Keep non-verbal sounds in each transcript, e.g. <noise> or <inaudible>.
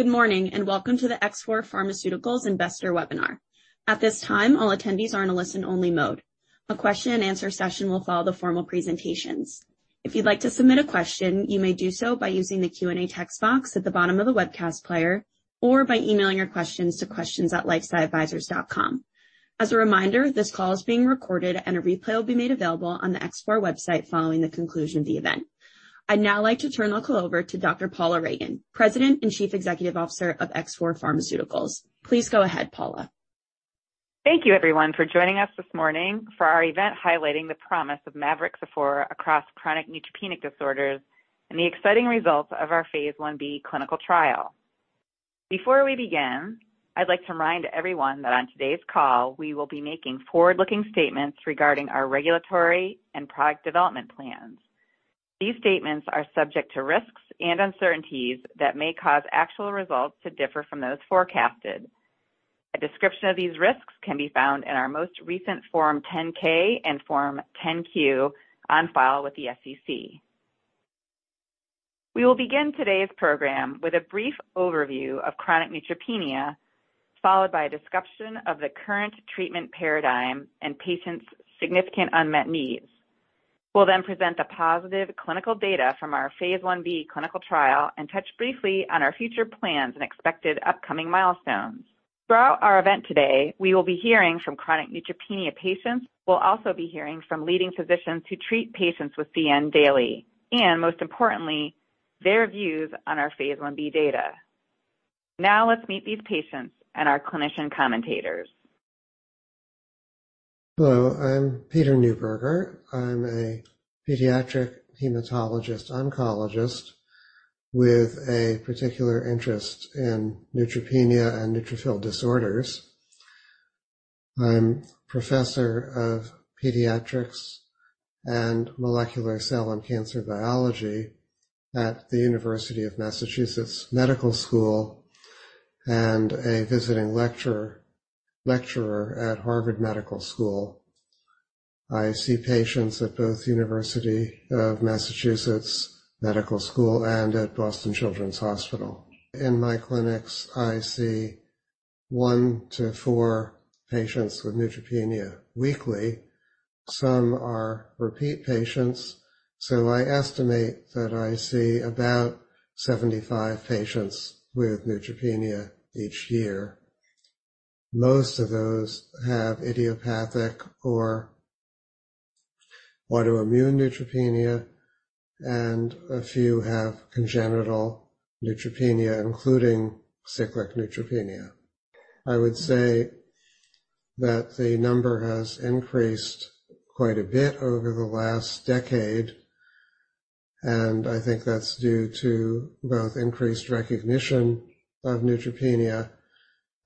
Good morning, and welcome to the X4 Pharmaceuticals investor webinar. At this time, all attendees are in a listen-only mode. A question-and-answer session will follow the formal presentations. If you'd like to submit a question, you may do so by using the Q&A text box at the bottom of the webcast player or by emailing your questions to questions at lifesciadvisors.com. As a reminder, this call is being recorded, and a replay will be made available on the X4 website following the conclusion of the event. I'd now like to turn the call over to Dr. Paula Ragan, President and Chief Executive Officer of X4 Pharmaceuticals. Please go ahead, Paula. Thank you, everyone, for joining us this morning for our event highlighting the promise of mavorixafor across chronic neutropenic disorders and the exciting results of our phase Ib clinical trial. Before we begin, I'd like to remind everyone that on today's call, we will be making forward-looking statements regarding our regulatory and product development plans. These statements are subject to risks and uncertainties that may cause actual results to differ from those forecasted. A description of these risks can be found in our most recent Form 10-K and Form 10-Q on file with the SEC. We will begin today's program with a brief overview of chronic neutropenia, followed by a discussion of the current treatment paradigm and patients' significant unmet needs. We'll then present the positive clinical data from our phase Ib clinical trial and touch briefly on our future plans and expected upcoming milestones. Throughout our event today, we will be hearing from chronic neutropenia patients. We'll also be hearing from leading physicians who treat patients with CN daily and most importantly, their views on our phase Ib data. Now let's meet these patients and our clinician commentators. Hello, I'm Peter Newburger. I'm a pediatric hematologist oncologist with a particular interest in neutropenia and neutrophil disorders. I'm Professor of Pediatrics and Molecular Cell and Cancer Biology at the University of Massachusetts Medical School and a visiting lecturer at Harvard Medical School. I see patients at both University of Massachusetts Medical School and at Boston Children's Hospital. In my clinics, I see one to four patients with neutropenia weekly. Some are repeat patients, so I estimate that I see about 75 patients with neutropenia each year. Most of those have idiopathic or autoimmune neutropenia, and a few have congenital neutropenia, including cyclic neutropenia. I would say that the number has increased quite a bit over the last decade, and I think that's due to both increased recognition of neutropenia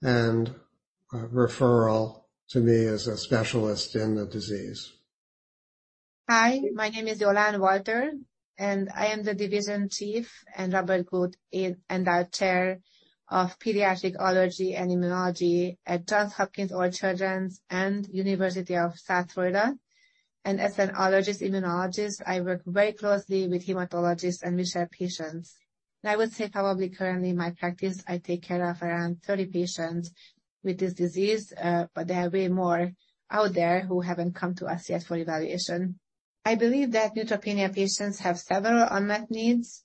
and, referral to me as a specialist in the disease. Hi, my name is Jolan Walter, and I am the division chief and Robert A. Good Endowed Chair of Pediatric Allergy and Immunology at Johns Hopkins All Children's and University of South Florida. As an allergist immunologist, I work very closely with hematologists, and we share patients. I would say probably currently in my practice, I take care of around 30 patients with this disease, but there are way more out there who haven't come to us yet for evaluation. I believe that neutropenia patients have several unmet needs.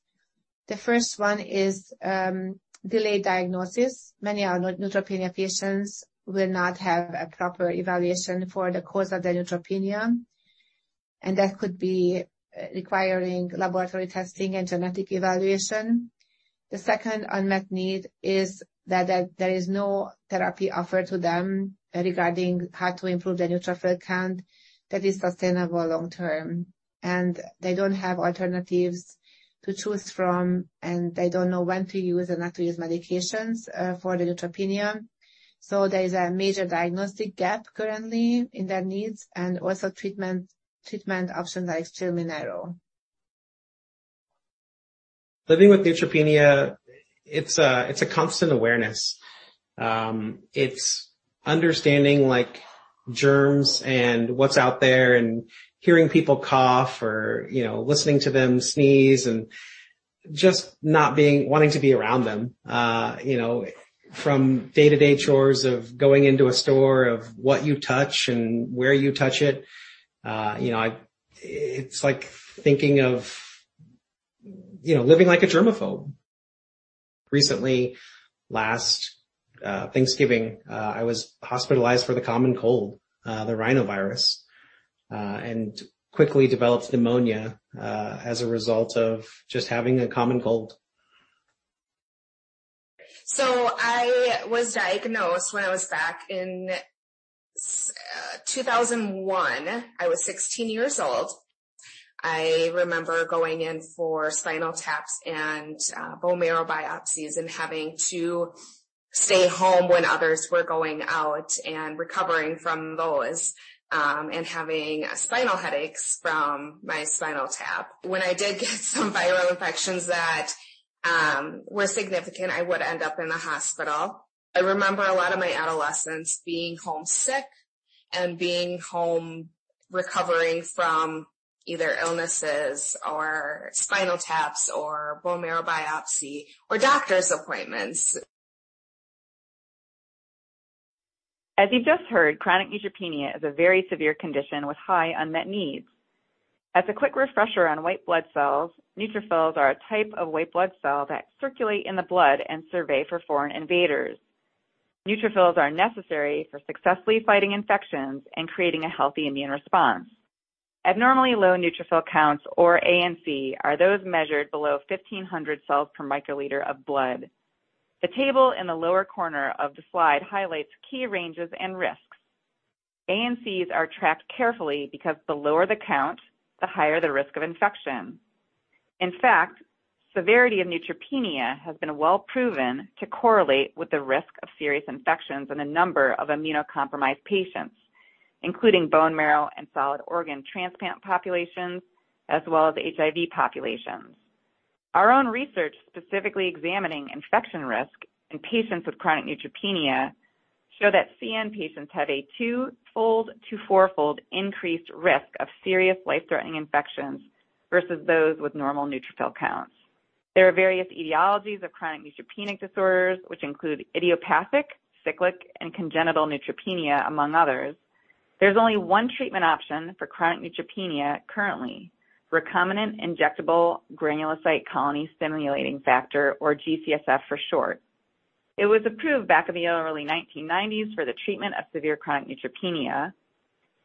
The first one is delayed diagnosis. Many neutropenia patients will not have a proper evaluation for the cause of their neutropenia, and that could be requiring laboratory testing and genetic evaluation. The second unmet need is that there is no therapy offered to them regarding how to improve their neutrophil count that is sustainable long term. They don't have alternatives to choose from, and they don't know when to use or not to use medications for the neutropenia. There is a major diagnostic gap currently in their needs, and also treatment options are extremely narrow. Living with neutropenia, it's a constant awareness. It's understanding like germs and what's out there and hearing people cough or, you know, listening to them sneeze and just not wanting to be around them. You know, from day-to-day chores of going into a store of what you touch and where you touch it. You know, it's like thinking of, you know, living like a germaphobe. Recently, last Thanksgiving, I was hospitalized for the common cold, the rhinovirus, and quickly developed pneumonia as a result of just having a common cold. I was diagnosed when I was back in 2001. I was 16 years old. I remember going in for spinal taps and bone marrow biopsies and having to stay home when others were going out and recovering from those, and having spinal headaches from my spinal tap. When I did get some viral infections that were significant, I would end-up in the hospital. I remember a lot of my adolescence being home sick and being home. Recovering from either illnesses or spinal taps or bone marrow biopsy or doctor's appointments. As you just heard, chronic neutropenia is a very severe condition with high unmet needs. As a quick refresher on white blood cells, neutrophils are a type of white blood cell that circulate in the blood and survey for foreign invaders. Neutrophils are necessary for successfully fighting infections and creating a healthy immune response. Abnormally low neutrophil counts or ANC are those measured below 1,500 cells/μL of blood. The table in the lower corner of the slide highlights key ranges and risks. ANCs are tracked carefully because the lower the count, the higher the risk of infection. In fact, severity of neutropenia has been well proven to correlate with the risk of serious infections in a number of immunocompromised patients, including bone marrow and solid organ transplant populations, as well as HIV populations. Our own research specifically examining infection risk in patients with chronic neutropenia shows that CN patients have a two-fold to four-fold increased risk of serious life-threatening infections versus those with normal neutrophil counts. There are various etiologies of chronic neutropenic disorders, which include idiopathic, cyclic, and congenital neutropenia, among others. There's only one treatment option for chronic neutropenia currently, recombinant injectable granulocyte colony-stimulating factor, or G-CSF for short. It was approved back in the early 1990s for the treatment of severe chronic neutropenia.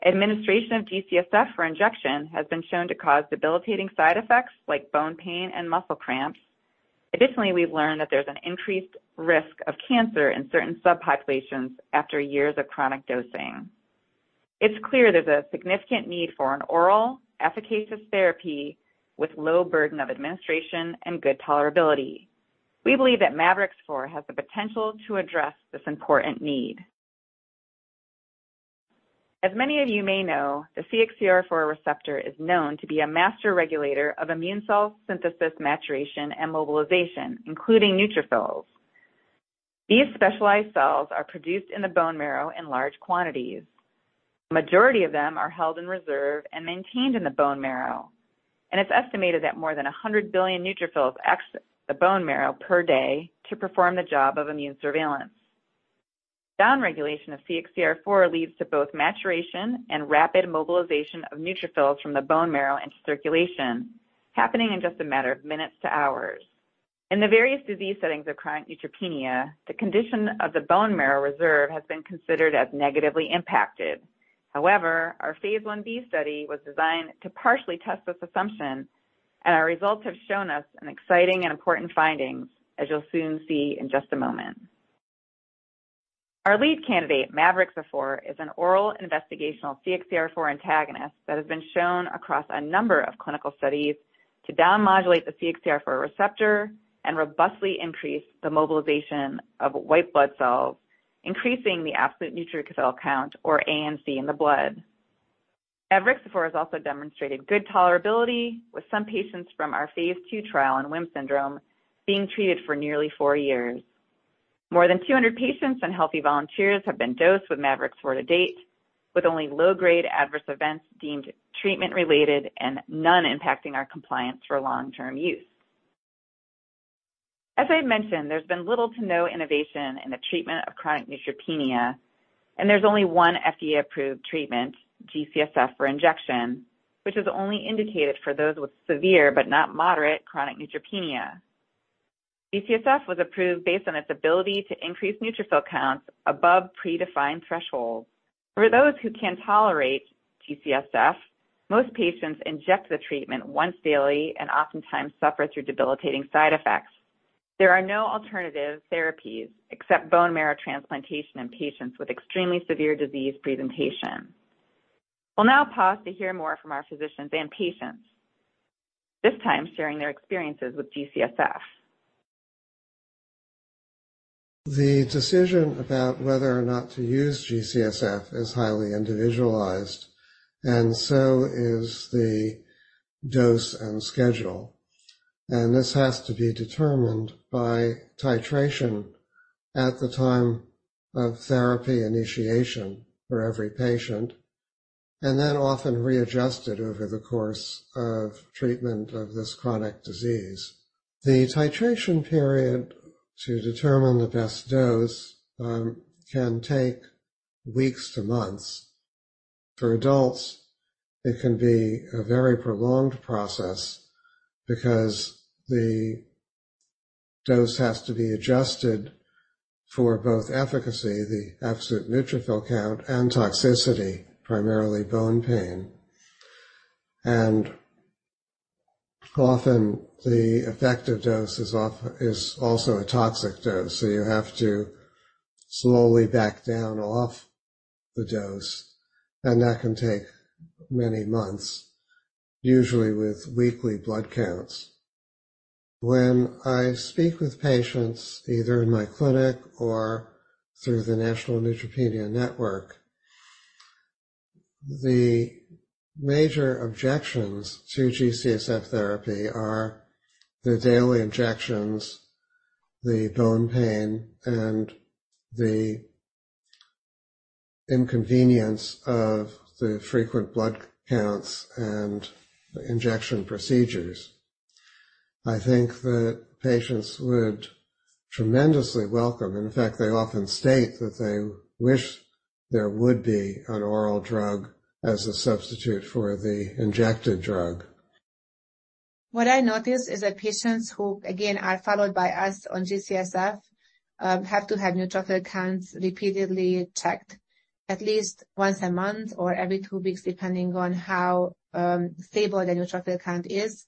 Administration of G-CSF for injection has been shown to cause debilitating side-effects like bone pain and muscle cramps. Additionally, we've learned that there's an increased risk of cancer in certain subpopulations after years of chronic dosing. It's clear there's a significant need for an oral, efficacious therapy with low burden of administration and good tolerability. We believe that mavorixafor has the potential to address this important need. As many of you may know, the CXCR4 receptor is known to be a master regulator of immune cell synthesis, maturation, and mobilization, including neutrophils. These specialized cells are produced in the bone marrow in large quantities. Majority of them are held in reserve and maintained in the bone marrow, and it's estimated that more than 100 billion neutrophils exit the bone marrow per day to perform the job of immune surveillance. Down-regulation of CXCR4 leads to both maturation and rapid mobilization of neutrophils from the bone marrow into circulation, happening in just a matter of minutes to hours. In the various disease settings of chronic neutropenia, the condition of the bone marrow reserve has been considered as negatively impacted. However, our phase Ib study was designed to partially test this assumption, and our results have shown us an exciting and important findings, as you'll soon see in just a moment. Our lead candidate, mavorixafor, is an oral investigational CXCR4 antagonist that has been shown across a number of clinical studies to down-modulate the CXCR4 receptor and robustly increase the mobilization of white blood cells, increasing the absolute neutrophil count or ANC in the blood. Mavorixafor has also demonstrated good tolerability with some patients from our phase II trial in WHIM syndrome being treated for nearly four years. More than 200 patients and healthy volunteers have been dosed with mavorixafor to date, with only low-grade adverse events deemed treatment-related and none impacting our compliance for long-term use. As I mentioned, there's been little to no innovation in the treatment of chronic neutropenia, and there's only one FDA-approved treatment, G-CSF for injection, which is only indicated for those with severe but not moderate chronic neutropenia. G-CSF was approved based on its ability to increase neutrophil counts above predefined thresholds. For those who can tolerate G-CSF, most patients inject the treatment once daily and oftentimes suffer through debilitating side effects. There are no alternative therapies except bone marrow transplantation in patients with extremely severe disease presentation. We'll now pause to hear more from our physicians and patients, this time sharing their experiences with G-CSF. The decision about whether or not to use G-CSF is highly individualized, and so is the dose and schedule. This has to be determined by titration at the time of therapy initiation for every patient, and then often readjusted over the course of treatment of this chronic disease. The titration period to determine the best dose can take weeks to months. For adults, it can be a very prolonged process because the dose has to be adjusted for both efficacy, the absolute neutrophil count, and toxicity, primarily bone pain. Often the effective dose is also a toxic dose. You have to slowly back down off the dose, and that can take many months, usually with weekly blood counts. When I speak with patients, either in my clinic or through the National Neutropenia Network, the major objections to G-CSF therapy are the daily injections The bone pain and the inconvenience of the frequent blood counts and injection procedures, I think that patients would tremendously welcome. In fact, they often state that they wish there would be an oral drug as a substitute for the injected drug. What I notice is that patients who again are followed by us on G-CSF have to have neutrophil counts repeatedly checked at least once a month or every two weeks, depending on how stable the neutrophil count is.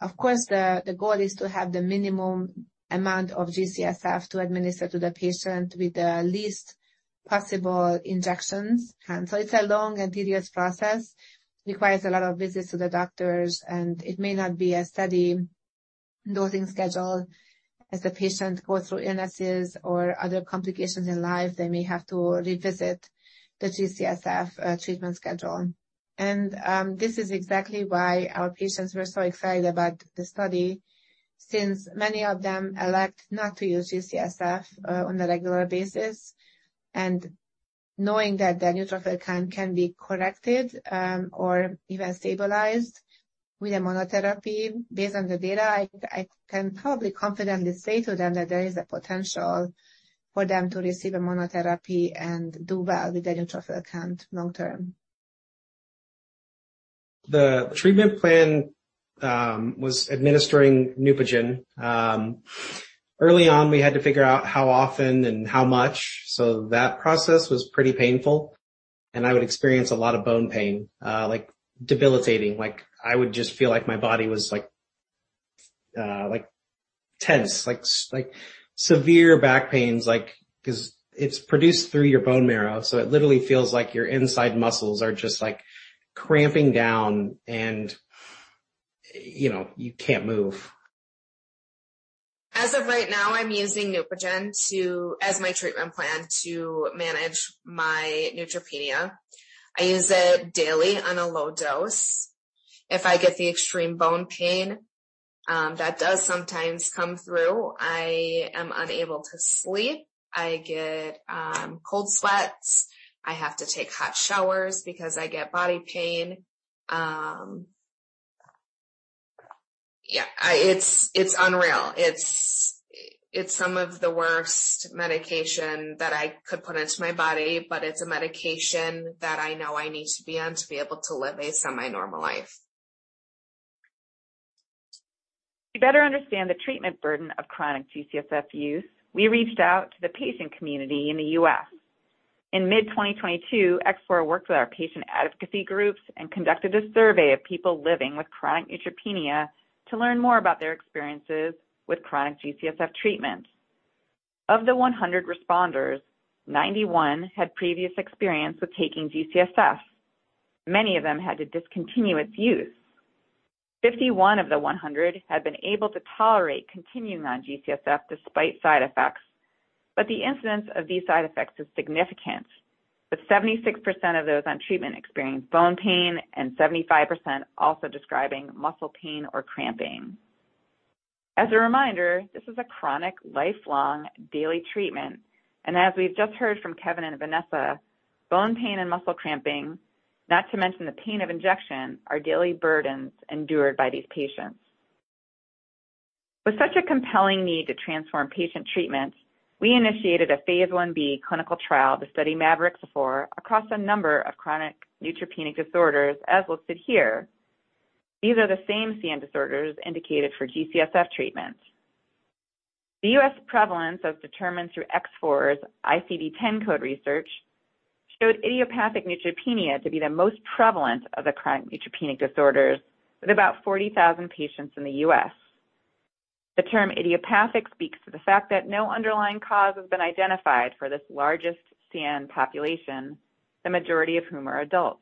Of course, the goal is to have the minimum amount of G-CSF to administer to the patient with the least possible injections. It's a long and tedious process. Requires a lot of visits to the doctors, and it may not be a steady dosing schedule. As the patient goes through illnesses or other complications in life, they may have to revisit the G-CSF treatment schedule. This is exactly why our patients were so excited about the study, since many of them elect not to use G-CSF on a regular basis. Knowing that the neutrophil count can be corrected, or even stabilized with a monotherapy based on the data, I can probably confidently say to them that there is a potential for them to receive a monotherapy and do well with their neutrophil count long term. The treatment plan was administering NEUPOGEN. Early on, we had to figure out how often and how much, so that process was pretty painful, and I would experience a lot of bone pain, like debilitating. Like, I would just feel like my body was like tense, like severe back pains, like, 'cause it's produced through your bone marrow, so it literally feels like your inside muscles are just like cramping down and, you know, you can't move. As of right now, I'm using NEUPOGEN as my treatment plan to manage my neutropenia. I use it daily on a low dose. If I get the extreme bone pain that does sometimes come through, I am unable to sleep. I get cold sweats. I have to take hot showers because I get body pain. It's unreal. It's some of the worst medication that I could put into my body, but it's a medication that I know I need to be on to be able to live a semi-normal life. To better understand the treatment burden of chronic G-CSF use, we reached out to the patient community in the U.S. In mid-2022, X4 worked with our patient advocacy groups and conducted a survey of people living with chronic neutropenia to learn more about their experiences with chronic G-CSF treatments. Of the 100 responders, 91 had previous experience with taking G-CSF. Many of them had to discontinue its use. 51 of the 100 had been able to tolerate continuing on G-CSF despite side effects. The incidence of these side effects is significant, with 76% of those on treatment experienced bone pain and 75% also describing muscle pain or cramping. As a reminder, this is a chronic, lifelong daily treatment, and as we've just heard from Kevin and Vanessa, bone pain and muscle cramping, not to mention the pain of injection, are daily burdens endured by these patients. With such a compelling need to transform patient treatments, we initiated a phase Ib clinical trial to study mavorixafor across a number of chronic neutropenic disorders, as listed here. These are the same CN disorders indicated for G-CSF treatments. The U.S. prevalence, as determined through X4's ICD-10 code research, showed idiopathic neutropenia to be the most prevalent of the chronic neutropenic disorders, with about 40,000 patients in the U.S. The term idiopathic speaks to the fact that no underlying cause has been identified for this largest CN population, the majority of whom are adults.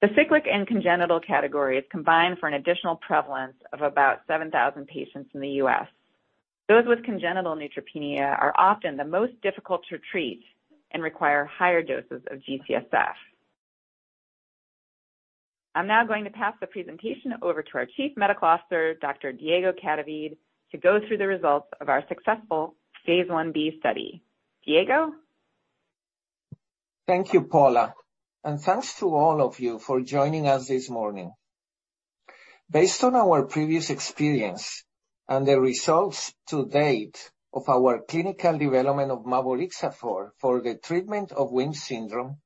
The cyclic and congenital categories combine for an additional prevalence of about 7,000 patients in the U.S. Those with congenital neutropenia are often the most difficult to treat and require higher doses of G-CSF. I'm now going to pass the presentation over to our Chief Medical Officer, Dr. Diego Cadavid, to go through the results of our successful phase Ib study. Diego? Thank you, Paula, and thanks to all of you for joining us this morning. Based on our previous experience and the results to date of our clinical development of mavorixafor for the treatment of WHIM syndrome,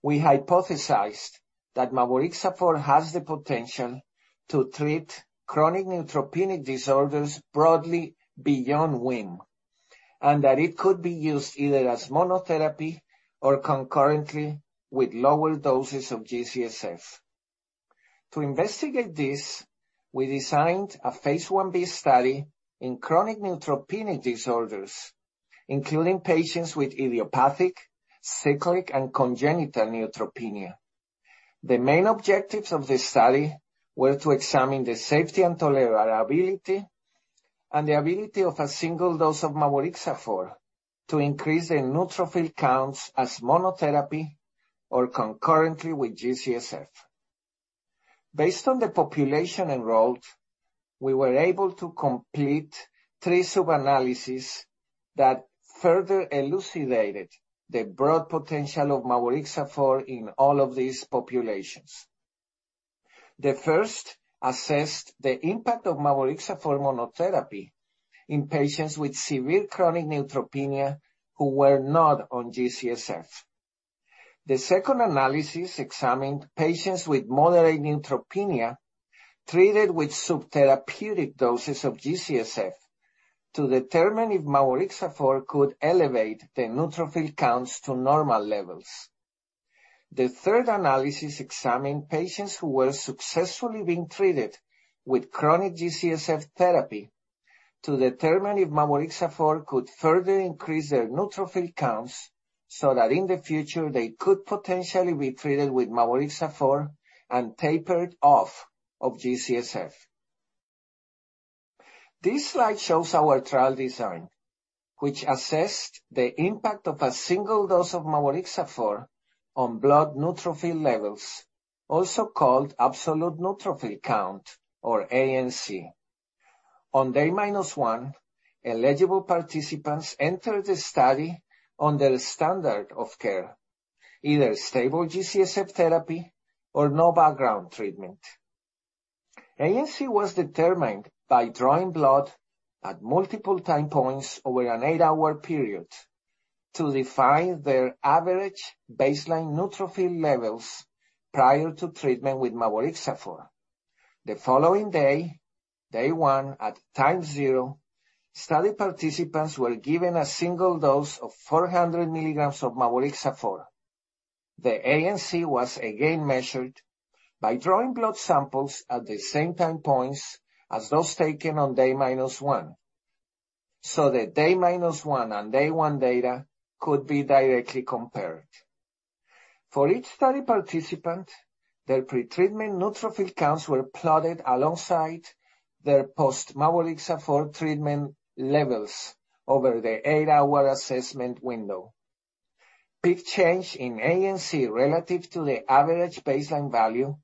we hypothesized that mavorixafor has the potential to treat chronic neutropenic disorders broadly beyond WHIM, and that it could be used either as monotherapy or concurrently with lower doses of G-CSF. To investigate this, we designed a phase Ib study in chronic neutropenic disorders, including patients with idiopathic, cyclic, and congenital neutropenia. The main objectives of this study were to examine the safety and tolerability and the ability of a single dose of mavorixafor to increase the neutrophil counts as monotherapy or concurrently with G-CSF. Based on the population enrolled, we were able to complete three sub-analysis that further elucidated the broad potential of mavorixafor in all of these populations. The first assessed the impact of mavorixafor monotherapy in patients with severe chronic neutropenia who were not on G-CSF. The second analysis examined patients with moderate neutropenia treated with subtherapeutic doses of G-CSF to determine if mavorixafor could elevate the neutrophil counts to normal levels. The third analysis examined patients who were successfully being treated with chronic G-CSF therapy to determine if mavorixafor could further increase their neutrophil counts, so that in the future, they could potentially be treated with mavorixafor and tapered off of G-CSF. This slide shows our trial design, which assessed the impact of a single dose of mavorixafor on blood neutrophil levels, also called absolute neutrophil count, or ANC. On day minus one, eligible participants entered the study on their standard of care, either stable G-CSF therapy or no background treatment. ANC was determined by drawing blood at multiple time points over an eight-hour period to define their average baseline neutrophil levels prior to treatment with mavorixafor. The following day one at time zero, study participants were given a single dose of 400 mg of mavorixafor. The ANC was again measured by drawing blood samples at the same time points as those taken on day minus one, so the day minus one and day one data could be directly compared. For each study participant, their pretreatment neutrophil counts were plotted alongside their post-mavorixafor treatment levels over the eight-hour assessment window. Peak change in ANC relative to the average baseline value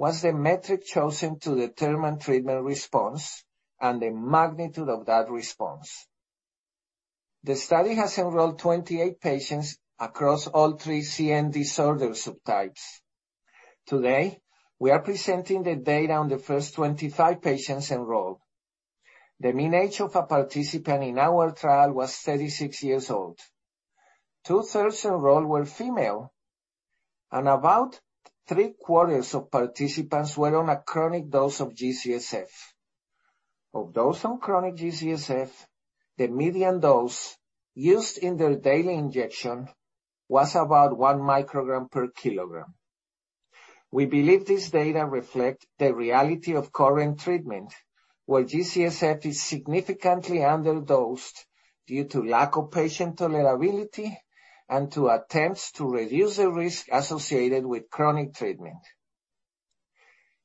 was the metric chosen to determine treatment response and the magnitude of that response. The study has enrolled 28 patients across all three CN disorder subtypes. Today, we are presenting the data on the first 25 patients enrolled. The mean age of a participant in our trial was 36 years old. Two-thirds enrolled were female, and about 3/4 of participants were on a chronic dose of G-CSF. Of those on chronic G-CSF, the median dose used in their daily injection was about 1 μg/kg. We believe this data reflect the reality of current treatment, where G-CSF is significantly underdosed due to lack of patient tolerability and to attempts to reduce the risk associated with chronic treatment.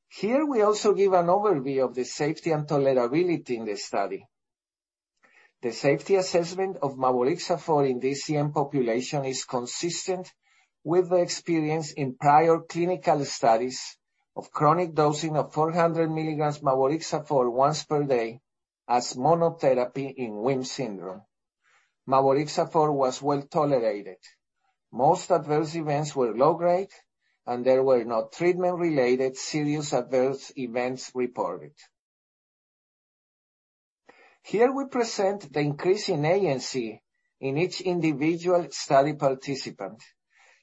Here, we also give an overview of the safety and tolerability in the study. The safety assessment of mavorixafor in this CN population is consistent with the experience in prior clinical studies of chronic dosing of 400 mg mavorixafor once per day as monotherapy in WHIM syndrome. Mavorixafor was well-tolerated. Most adverse events were low-grade, and there were no treatment-related serious adverse events reported. Here we present the increase in ANC in each individual study participant,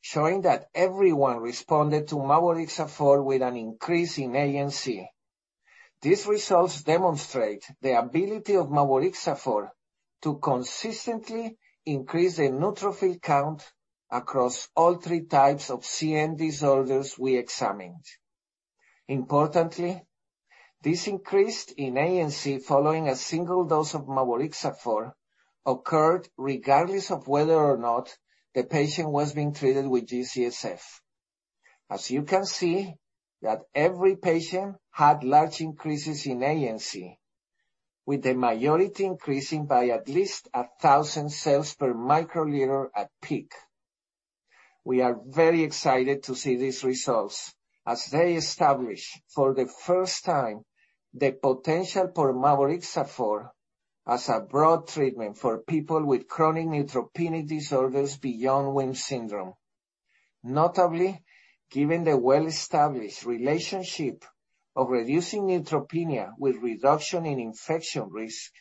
showing that everyone responded to mavorixafor with an increase in ANC. These results demonstrate the ability of mavorixafor to consistently increase the neutrophil count across all three types of CN disorders we examined. Importantly, this increase in ANC following a single dose of mavorixafor occurred regardless of whether or not the patient was being treated with G-CSF. As you can see, that every patient had large increases in ANC, with the majority increasing by at least 1,000 cells/μL at peak. We are very excited to see these results as they establish for the first time the potential for mavorixafor as a broad treatment for people with chronic neutropenia disorders beyond WHIM syndrome. Notably, given the well-established relationship of reducing neutropenia with reduction in infection risk,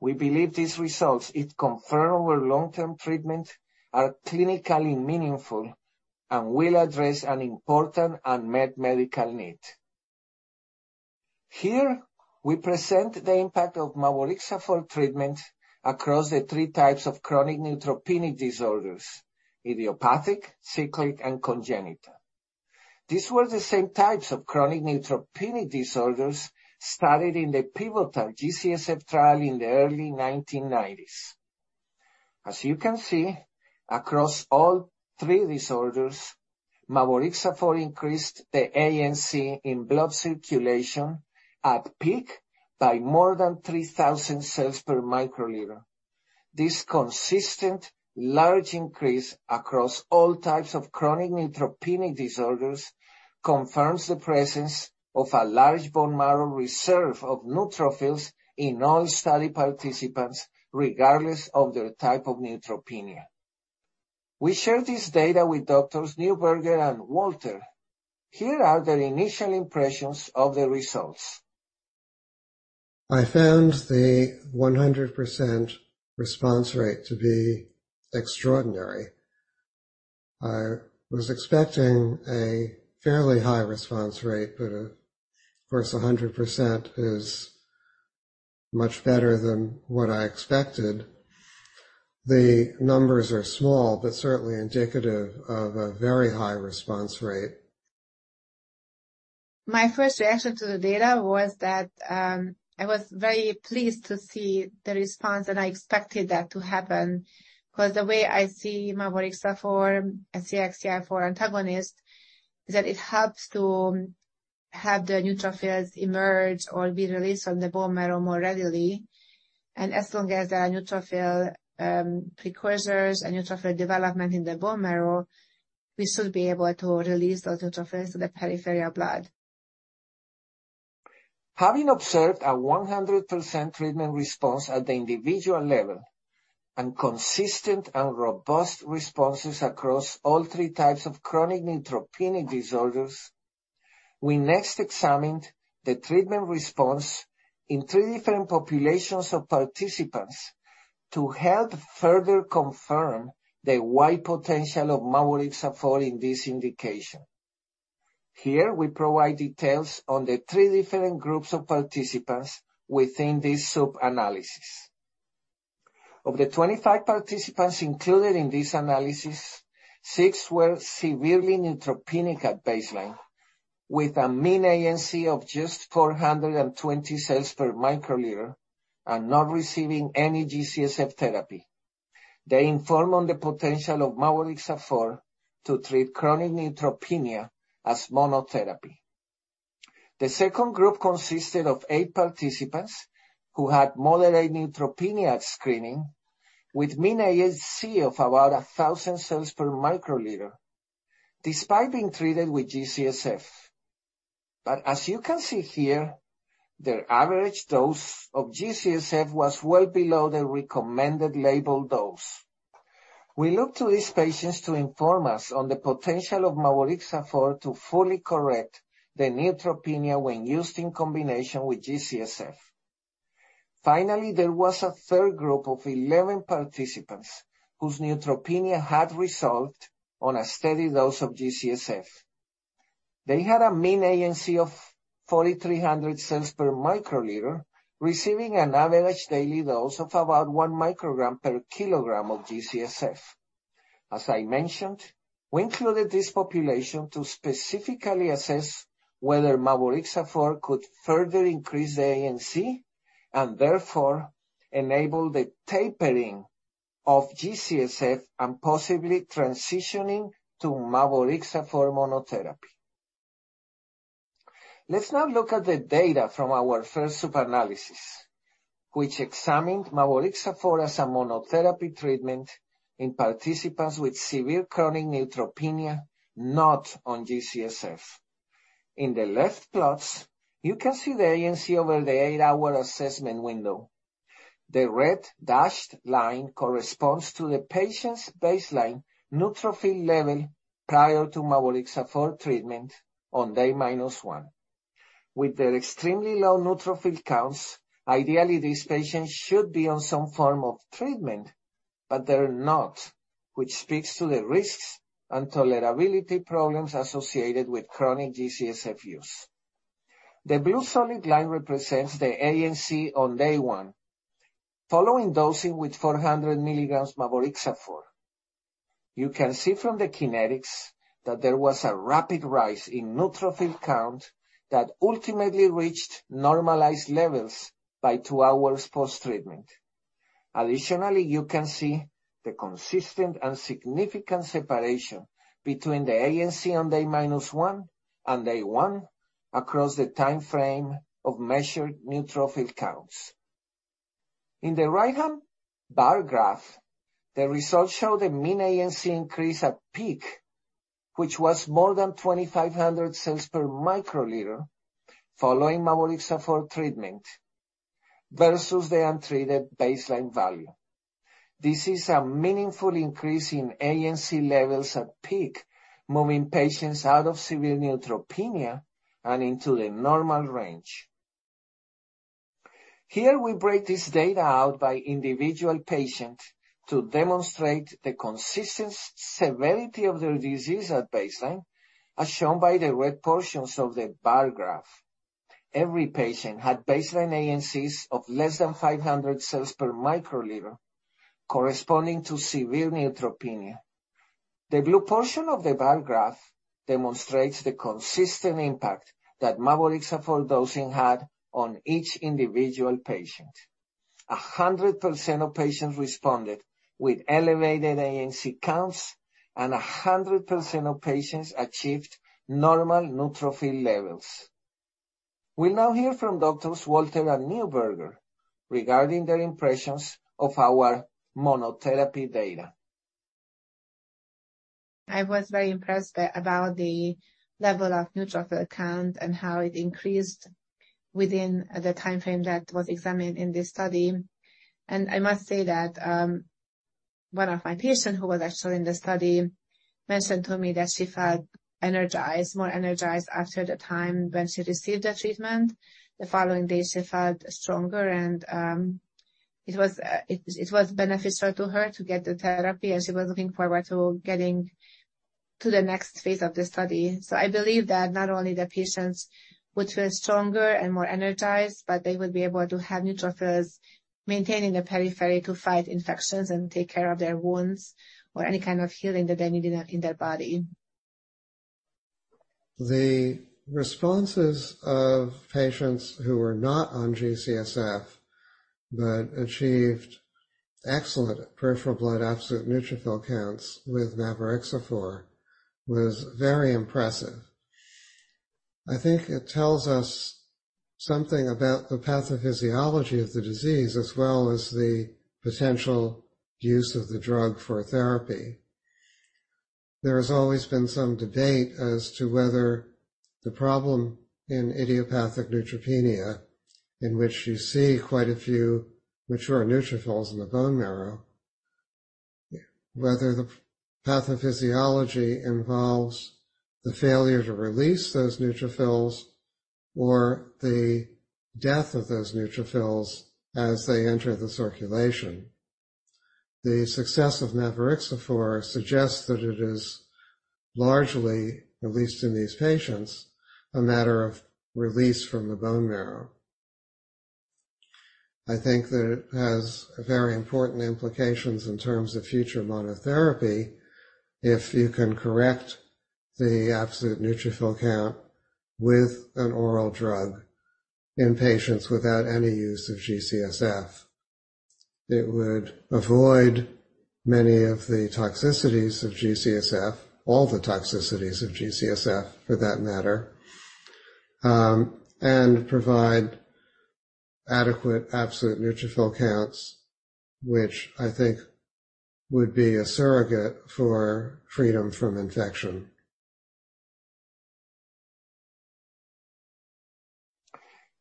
we believe these results, if confirmed over long-term treatment, are clinically meaningful and will address an important unmet medical need. Here, we present the impact of mavorixafor treatment across the three types of chronic neutropenia disorders: idiopathic, cyclic, and congenital. These were the same types of chronic neutropenia disorders studied in the pivotal G-CSF trial in the early 1990s. As you can see, across all three disorders, mavorixafor increased the ANC in blood circulation at peak by more than 3,000 cells/μL. this consistent large increase across all types of chronic neutropenic disorders confirms the presence of a large bone marrow reserve of neutrophils in all study participants, regardless of their type of neutropenia. We share this data with Doctors Newburger and Walter. Here are their initial impressions of the results. I found the 100% response rate to be extraordinary. I was expecting a fairly high response rate, but of course, 100% is much better than what I expected. The numbers are small, but certainly indicative of a very high response rate. My first reaction to the data was that, I was very pleased to see the response, and I expected that to happen because the way I see mavorixafor, a CXCR4 antagonist, is that it helps to have the neutrophils emerge or be released from the bone marrow more readily. As long as there are neutrophil precursors and neutrophil development in the bone marrow, we should be able to release those neutrophils to the peripheral blood. Having observed a 100% treatment response at the individual level and consistent and robust responses across all three types of chronic neutropenic disorders, we next examined the treatment response in three different populations of participants to help further confirm the wide potential of mavorixafor in this indication. Here, we provide details on the three different groups of participants within this sub-analysis. Of the 25 participants included in this analysis, six were severely neutropenic at baseline, with a mean ANC of just 420 cells/μL and not receiving any G-CSF therapy. They inform on the potential of mavorixafor to treat chronic neutropenia as monotherapy. The second group consisted of eight participants who had moderate neutropenia at screening with mean ANC of about 1,000 cells/μL, despite being treated with G-CSF. As you can see here, their average dose of G-CSF was well-below the recommended label dose. We look to these patients to inform us on the potential of mavorixafor to fully-correct the neutropenia when used in combination with G-CSF. Finally, there was a third group of 11 participants whose neutropenia had resolved on a steady dose of G-CSF. They had a mean ANC of 4,300 cells/μL, receiving an average daily dose of about 1 μg/kg of G-CSF. As I mentioned, we included this population to specifically assess whether mavorixafor could further increase the ANC and therefore enable the tapering of G-CSF and possibly transitioning to mavorixafor monotherapy. Let's now look at the data from our first sub-analysis, which examined mavorixafor as a monotherapy treatment in participants with severe chronic neutropenia, not on G-CSF. In the left plots, you can see the ANC over the eight-hour assessment window. The red dashed line corresponds to the patient's baseline neutrophil level prior to mavorixafor treatment on day minus one. With their extremely low neutrophil counts, ideally, these patients should be on some form of treatment, but they're not, which speaks to the risks and tolerability problems associated with chronic G-CSF use. The blue solid line represents the ANC on day one. Following dosing with 400 mg mavorixafor. You can see from the kinetics that there was a rapid rise in neutrophil count that ultimately reached normalized levels by two hours post-treatment. Additionally, you can see the consistent and significant separation between the ANC on day minus one and day one across the timeframe of measured neutrophil counts. In the right-hand bar graph, the results show the mean ANC increase at peak, which was more than 2,500 cells/μL following mavorixafor treatment versus the untreated baseline value. This is a meaningful increase in ANC levels at peak, moving patients out of severe neutropenia and into the normal range. Here, we break this data out by individual patient to demonstrate the consistent severity of their disease at baseline, as shown by the red portions of the bar graph. Every patient had baseline ANCs of less than 500 cells/μL corresponding to severe neutropenia. The blue portion of the bar graph demonstrates the consistent impact that mavorixafor dosing had on each individual patient. 100% of patients responded with elevated ANC counts, and 100% of patients achieved normal neutrophil levels. We'll now hear from Doctors Walter and Newburger regarding their impressions of our monotherapy data. I was very impressed about the level of neutrophil count and how it increased within the timeframe that was examined in this study. I must say that, one of my patients who was actually in the study mentioned to me that she felt energized, more energized after the time when she received the treatment. The following day, she felt stronger and it was beneficial to her to get the therapy, and she was looking forward to getting to the next phase of the study. I believe that not only the patients would feel stronger and more energized, but they would be able to have neutrophils maintaining a periphery to fight infections and take care of their wounds or any kind of healing that they needed in their body. The responses of patients who were not on G-CSF but achieved excellent peripheral blood absolute neutrophil counts with mavorixafor was very impressive. I think it tells us something about the pathophysiology of the disease as well as the potential use of the drug for therapy. There has always been some debate as to whether the problem in idiopathic neutropenia, in which you see quite a few mature neutrophils in the bone marrow, whether the pathophysiology involves the failure to release those neutrophils or the death of those neutrophils as they enter the circulation. The success of mavorixafor suggests that it is largely, at least in these patients, a matter of release from the bone marrow. I think that it has very important implications in terms of future monotherapy if you can correct the absolute neutrophil count with an oral drug in patients without any use of G-CSF. It would avoid many of the toxicities of G-CSF, all the toxicities of G-CSF for that matter, and provide adequate absolute neutrophil counts, which I think would be a surrogate for freedom from infection.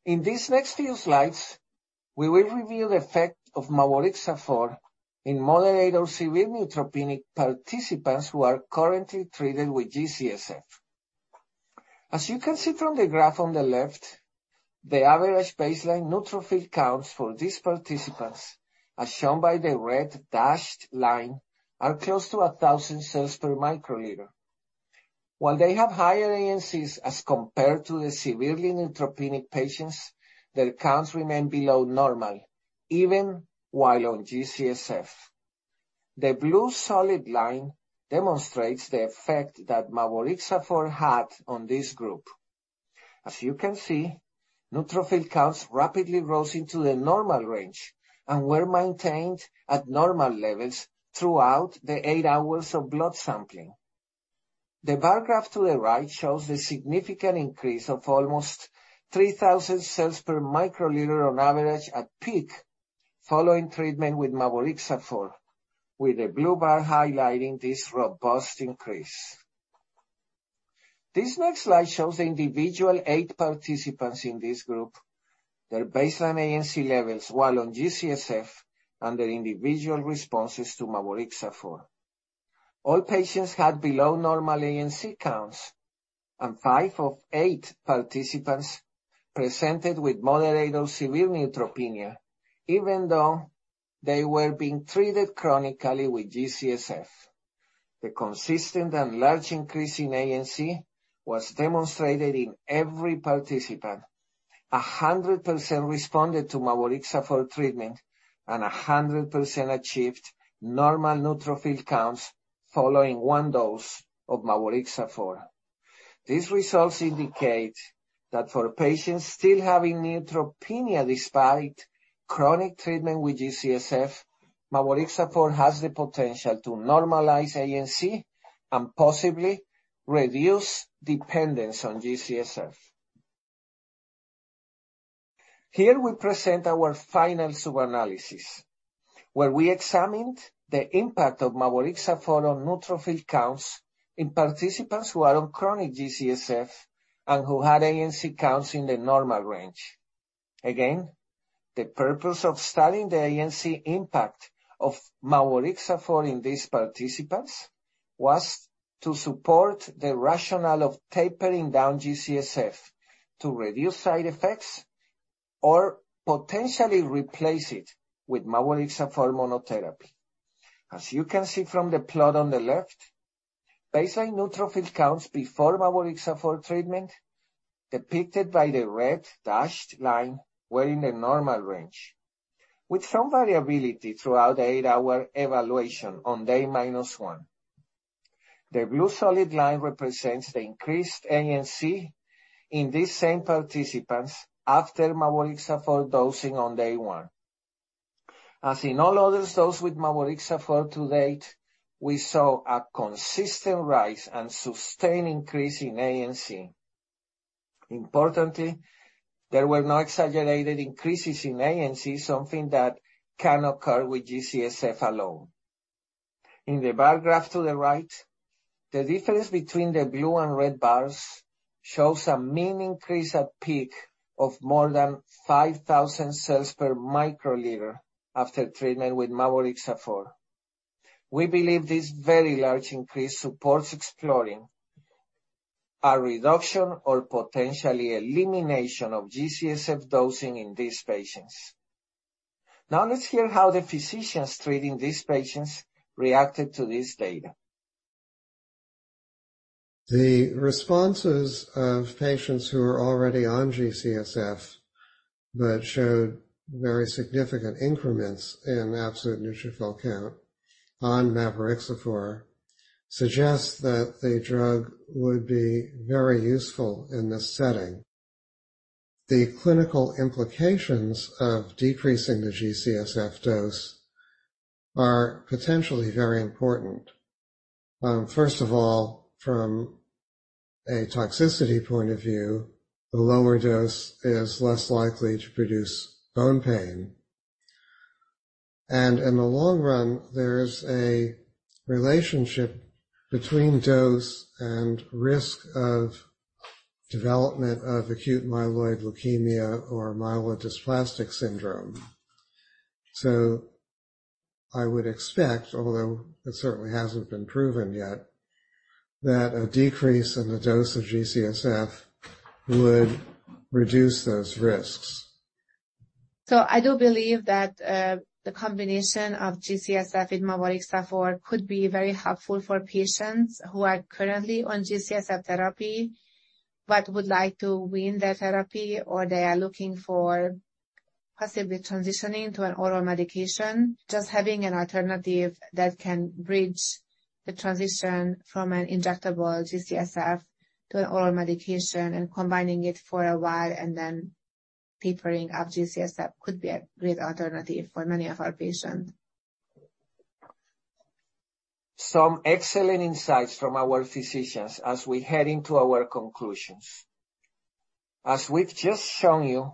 In these next few slides, we will reveal the effect of mavorixafor in moderate or severe neutropenic participants who are currently treated with G-CSF. As you can see from the graph on the left, the average baseline neutrophil counts for these participants, as shown by the red dashed line, are close to 1,000 cells/μL. While they have higher ANCs as compared to the severely neutropenic patients, their counts remain below normal even while on G-CSF. The blue solid line demonstrates the effect that mavorixafor had on this group. As you can see, neutrophil counts rapidly rose into the normal range and were maintained at normal levels throughout the eight hours of blood sampling. The bar graph to the right shows the significant increase of almost 3,000 cells/μL on average at peak following treatment with mavorixafor, with the blue bar highlighting this robust increase. This next slide shows the individual eight participants in this group, their baseline ANC levels while on G-CSF, and their individual responses to mavorixafor. All patients had below normal ANC counts, and five of eight participants presented with moderate or severe neutropenia, even though they were being treated chronically with G-CSF. The consistent and large increase in ANC was demonstrated in every participant. 100% responded to mavorixafor treatment, and 100% achieved normal neutrophil counts following one dose of mavorixafor. These results indicate that for patients still having neutropenia despite chronic treatment with G-CSF, mavorixafor has the potential to normalize ANC and possibly reduce dependence on G-CSF. Here we present our final sub-analysis, where we examined the impact of mavorixafor on neutrophil counts in participants who are on chronic G-CSF and who had ANC counts in the normal range. Again, the purpose of studying the ANC impact of mavorixafor in these participants was to support the rationale of tapering down G-CSF to reduce side effects or potentially replace it with mavorixafor monotherapy. As you can see from the plot on the left, baseline neutrophil counts before mavorixafor treatment, depicted by the red dashed line, were in the normal range, with some variability throughout the eight-hour evaluation on day minus one. The blue solid line represents the increased ANC in these same participants after mavorixafor dosing on day one. As in all other dose with mavorixafor to date, we saw a consistent rise and sustained increase in ANC. Importantly, there were no exaggerated increases in ANC, something that can occur with G-CSF alone. In the bar graph to the right, the difference between the blue and red bars shows a mean increase at peak of more than 5,000 cells/μL after treatment with mavorixafor. We believe this very large increase supports exploring a reduction or potentially elimination of G-CSF dosing in these patients. Now let's hear how the physicians treating these patients reacted to this data. The responses of patients who are already on G-CSF that showed very significant increments in absolute neutrophil count on mavorixafor suggest that the drug would be very useful in this setting. The clinical implications of decreasing the G-CSF dose are potentially very important. First of all, from a toxicity point of view, the lower dose is less likely to produce bone pain. In the long run, there is a relationship between dose and risk of development of acute myeloid leukemia or myelodysplastic syndrome. I would expect, although it certainly hasn't been proven yet, that a decrease in the dose of G-CSF would reduce those risks. I do believe that the combination of G-CSF with mavorixafor could be very helpful for patients who are currently on G-CSF therapy but would like to wean their therapy, or they are looking for possibly transitioning to an oral medication. Just having an alternative that can bridge the transition from an injectable G-CSF to an oral medication and combining it for a while and then tapering off G-CSF could be a great alternative for many of our patients. Some excellent insights from our physicians as we head into our conclusions. As we've just shown you,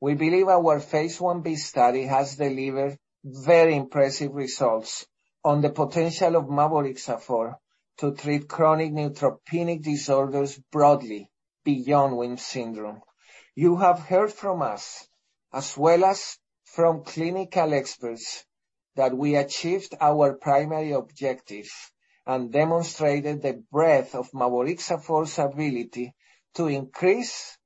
we believe our phase Ib study has delivered very impressive results on the potential of mavorixafor to treat chronic neutropenic disorders broadly beyond WHIM syndrome. You have heard from us as well as from clinical experts that we achieved our primary objective and demonstrated the breadth of mavorixafor's ability to increase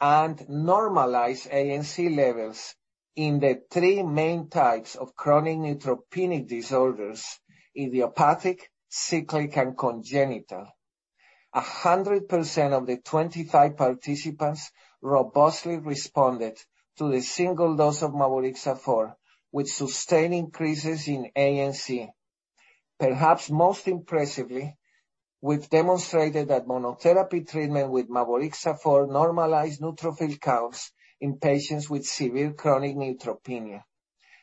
and normalize ANC levels in the three main types of chronic neutropenic disorders, idiopathic, cyclic, and congenital. 100% of the 25 participants robustly responded to the single dose of mavorixafor with sustained increases in ANC. Perhaps most impressively, we've demonstrated that monotherapy treatment with mavorixafor normalized neutrophil counts in patients with severe chronic neutropenia.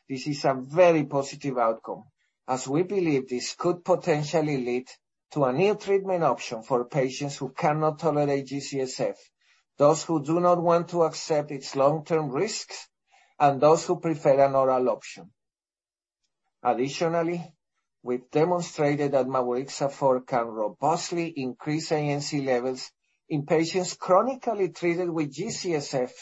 This is a very positive outcome as we believe this could potentially lead to a new treatment option for patients who cannot tolerate G-CSF, those who do not want to accept its long-term risks, and those who prefer an oral option. Additionally, we've demonstrated that mavorixafor can robustly increase ANC levels in patients chronically treated with G-CSF,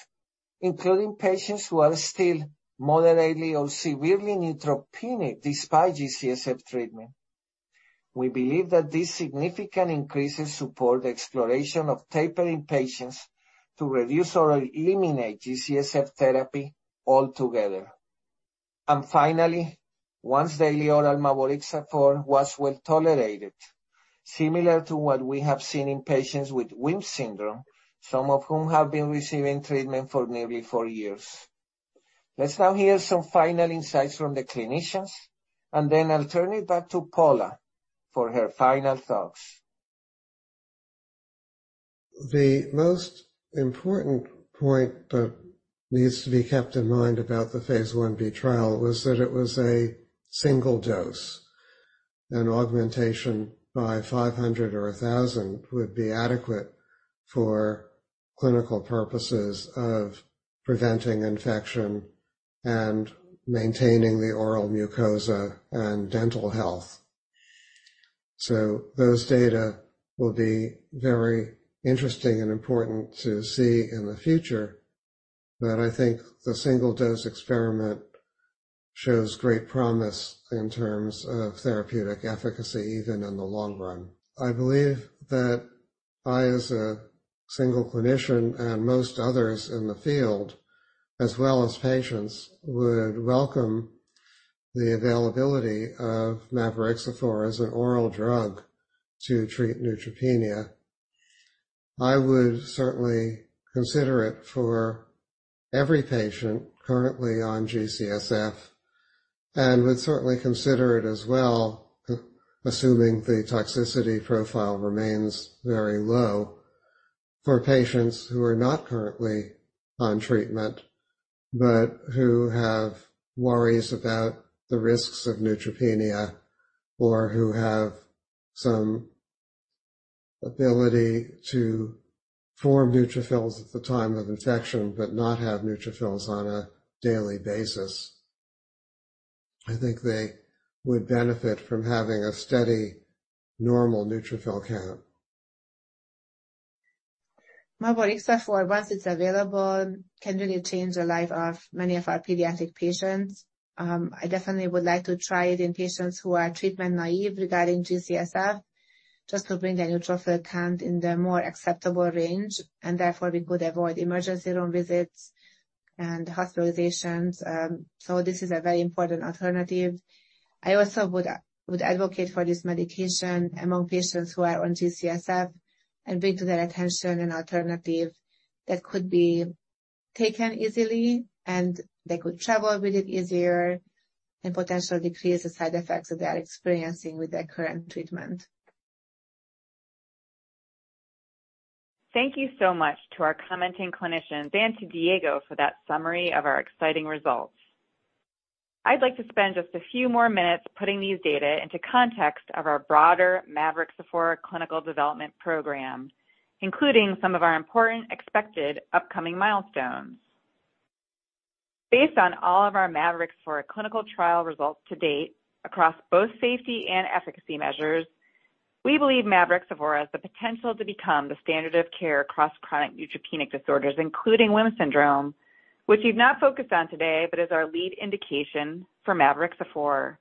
including patients who are still moderately or severely neutropenic despite G-CSF treatment. We believe that these significant increases support exploration of tapering patients to reduce or eliminate G-CSF therapy altogether. Finally, once-daily oral mavorixafor was well-tolerated, similar to what we have seen in patients with WHIM syndrome, some of whom have been receiving treatment for nearly four years. Let's now hear some final insights from the clinicians, and then I'll turn it back to Paula for her final thoughts. The most important point that needs to be kept in mind about the phase Ib trial was that it was a single dose. An augmentation by 500 or 1,000 would be adequate for clinical purposes of preventing infection and maintaining the oral mucosa and dental health. Those data will be very interesting and important to see in the future, but I think the single-dose experiment shows great promise in terms of therapeutic efficacy, even in the long run. I believe that, as a single clinician and most others in the field, as well as patients, would welcome the availability of mavorixafor as an oral drug to treat neutropenia. I would certainly consider it for every patient currently on G-CSF and would certainly consider it as well, assuming the toxicity profile remains very low. For patients who are not currently on treatment, but who have worries about the risks of neutropenia or who have some ability to form neutrophils at the time of infection, but not have neutrophils on a daily basis, I think they would benefit from having a steady normal neutrophil count. Mavorixafor, once it's available, can really change the life of many of our pediatric patients. I definitely would like to try it in patients who are treatment naive regarding G-CSF, just to bring their neutrophil count in the more acceptable range, and therefore we could avoid emergency room visits and hospitalizations. This is a very important alternative. I also would advocate for this medication among patients who are on G-CSF and bring to their attention an alternative that could be taken easily, and they could travel with it easier and potentially decrease the side effects that they are experiencing with their current treatment. Thank you so much to our commenting clinicians and to Diego for that summary of our exciting results. I'd like to spend just a few more minutes putting these data into context of our broader mavorixafor clinical development program, including some of our important expected upcoming milestones. Based on all of our mavorixafor clinical trial results to date across both safety and efficacy measures, we believe mavorixafor has the potential to become the standard of care across chronic neutropenic disorders, including WHIM syndrome, which we've not focused on today but is our lead indication for mavorixafor.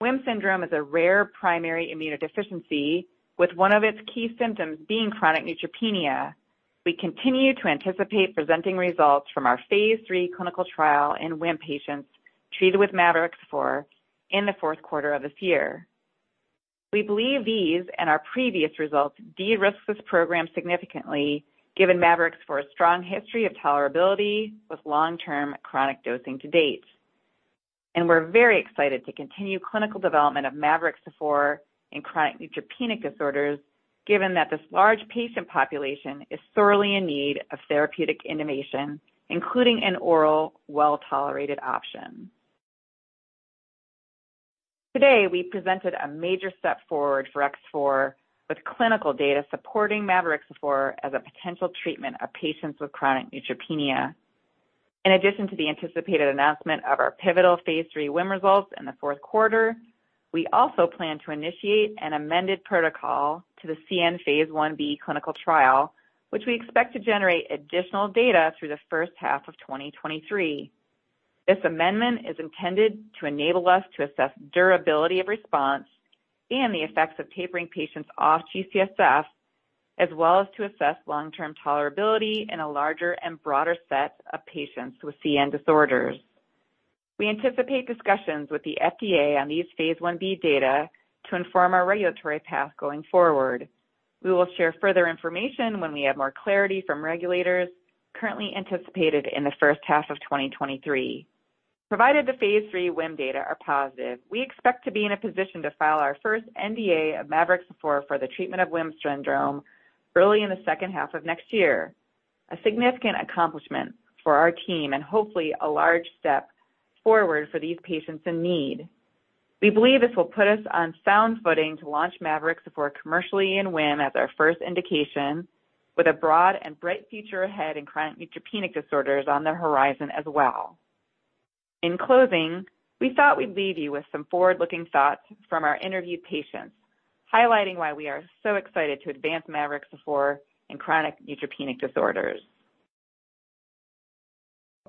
WHIM syndrome is a rare primary immunodeficiency, with one of its key symptoms being chronic neutropenia. We continue to anticipate presenting results from our phase III clinical trial in WHIM patients treated with mavorixafor in the fourth quarter of this year. We believe these and our previous results de-risk this program significantly, given mavorixafor's strong history of tolerability with long-term chronic dosing to date. We're very excited to continue clinical development of mavorixafor in chronic neutropenic disorders, given that this large patient population is sorely in need of therapeutic innovation, including an oral, well-tolerated option. Today, we presented a major step forward for mavorixafor with clinical data supporting mavorixafor as a potential treatment of patients with chronic neutropenia. In addition to the anticipated announcement of our pivotal phase III WHIM results in the fourth quarter, we also plan to initiate an amended protocol to the CN phase Ib clinical trial, which we expect to generate additional data through the first half of 2023. This amendment is intended to enable us to assess durability of response and the effects of tapering patients off G-CSF, as well as to assess long-term tolerability in a larger and broader set of patients with CN disorders. We anticipate discussions with the FDA on these phase Ib data to inform our regulatory path going forward. We will share further information when we have more clarity from regulators currently anticipated in the first half of 2023. Provided the phase III WHIM data are positive, we expect to be in a position to file our first NDA for mavorixafor for the treatment of WHIM syndrome early in the second half of next year. A significant accomplishment for our team and hopefully a large step forward for these patients in need. We believe this will put us on sound footing to launch mavorixafor commercially in WHIM as our first indication, with a broad and bright future ahead in chronic neutropenic disorders on the horizon as well. In closing, we thought we'd leave you with some forward-looking thoughts from our interviewed patients, highlighting why we are so excited to advance mavorixafor in chronic neutropenic disorders.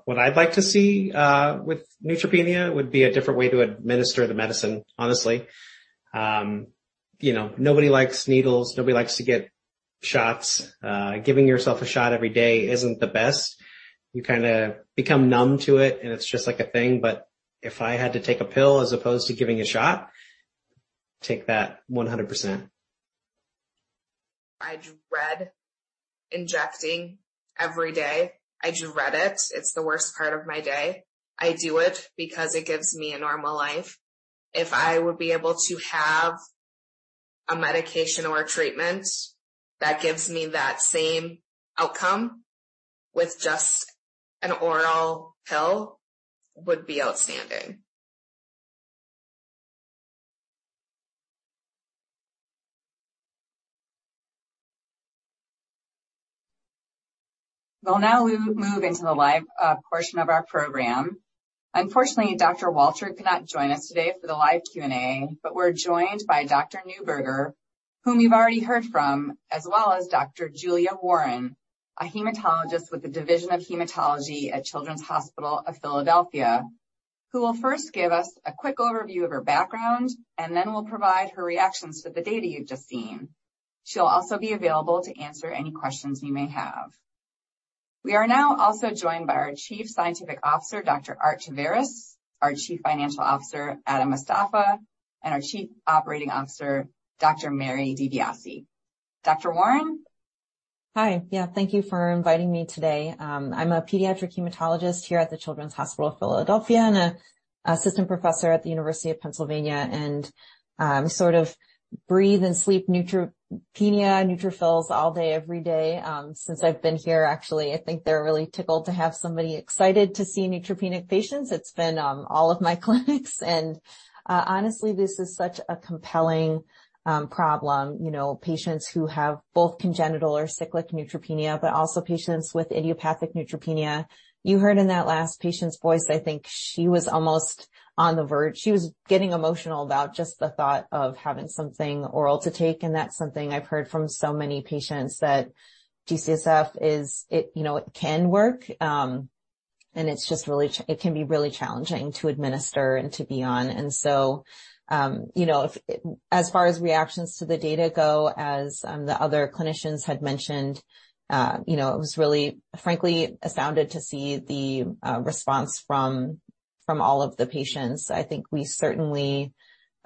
What I'd like to see with neutropenia would be a different way to administer the medicine, honestly. You know, nobody likes needles. Nobody likes to get shots. Giving yourself a shot every day isn't the best. You kinda become numb to it, and it's just like a thing. If I had to take a pill as opposed to giving a shot, take that 100%. I dread injecting every day. I dread it. It's the worst part of my day. I do it because it gives me a normal life. If I would be able to have a medication or a treatment that gives me that same outcome with just an oral pill, would be outstanding. Well, now we move into the live portion of our program. Unfortunately, Dr. Walter could not join us today for the live Q&A, but we're joined by Dr. Newburger, whom you've already heard from, as well as Dr. Julia Warren, a hematologist with the Division of Hematology at Children's Hospital of Philadelphia, who will first give us a quick overview of her background and then will provide her reactions to the data you've just seen. She'll also be available to answer any questions you may have. We are now also joined by our Chief Scientific Officer, Dr. Art Taveras, our Chief Financial Officer, Adam Mostafa, and our Chief Operating Officer, Dr. Mary DiBiase. Dr. Warren? Hi. Yeah, thank you for inviting me today. I'm a pediatric hematologist here at the Children's Hospital of Philadelphia and an assistant professor at the University of Pennsylvania. Sort of breathe and sleep neutropenia, neutrophils all day, every day, since I've been here. Actually, I think they're really tickled to have somebody excited to see neutropenic patients. It's been all of my clinics and honestly this is such a compelling problem. You know, patients who have both congenital or cyclic neutropenia, but also patients with idiopathic neutropenia. You heard in that last patient's voice, I think she was almost on the verge. She was getting emotional about just the thought of having something oral to take. That's something I've heard from so many patients, that G-CSF can work, you know, and it's just really challenging to administer and to be on. You know, as far as reactions to the data go, as the other clinicians had mentioned, you know, I was really, frankly, astounded to see the response from all of the patients. I think we certainly,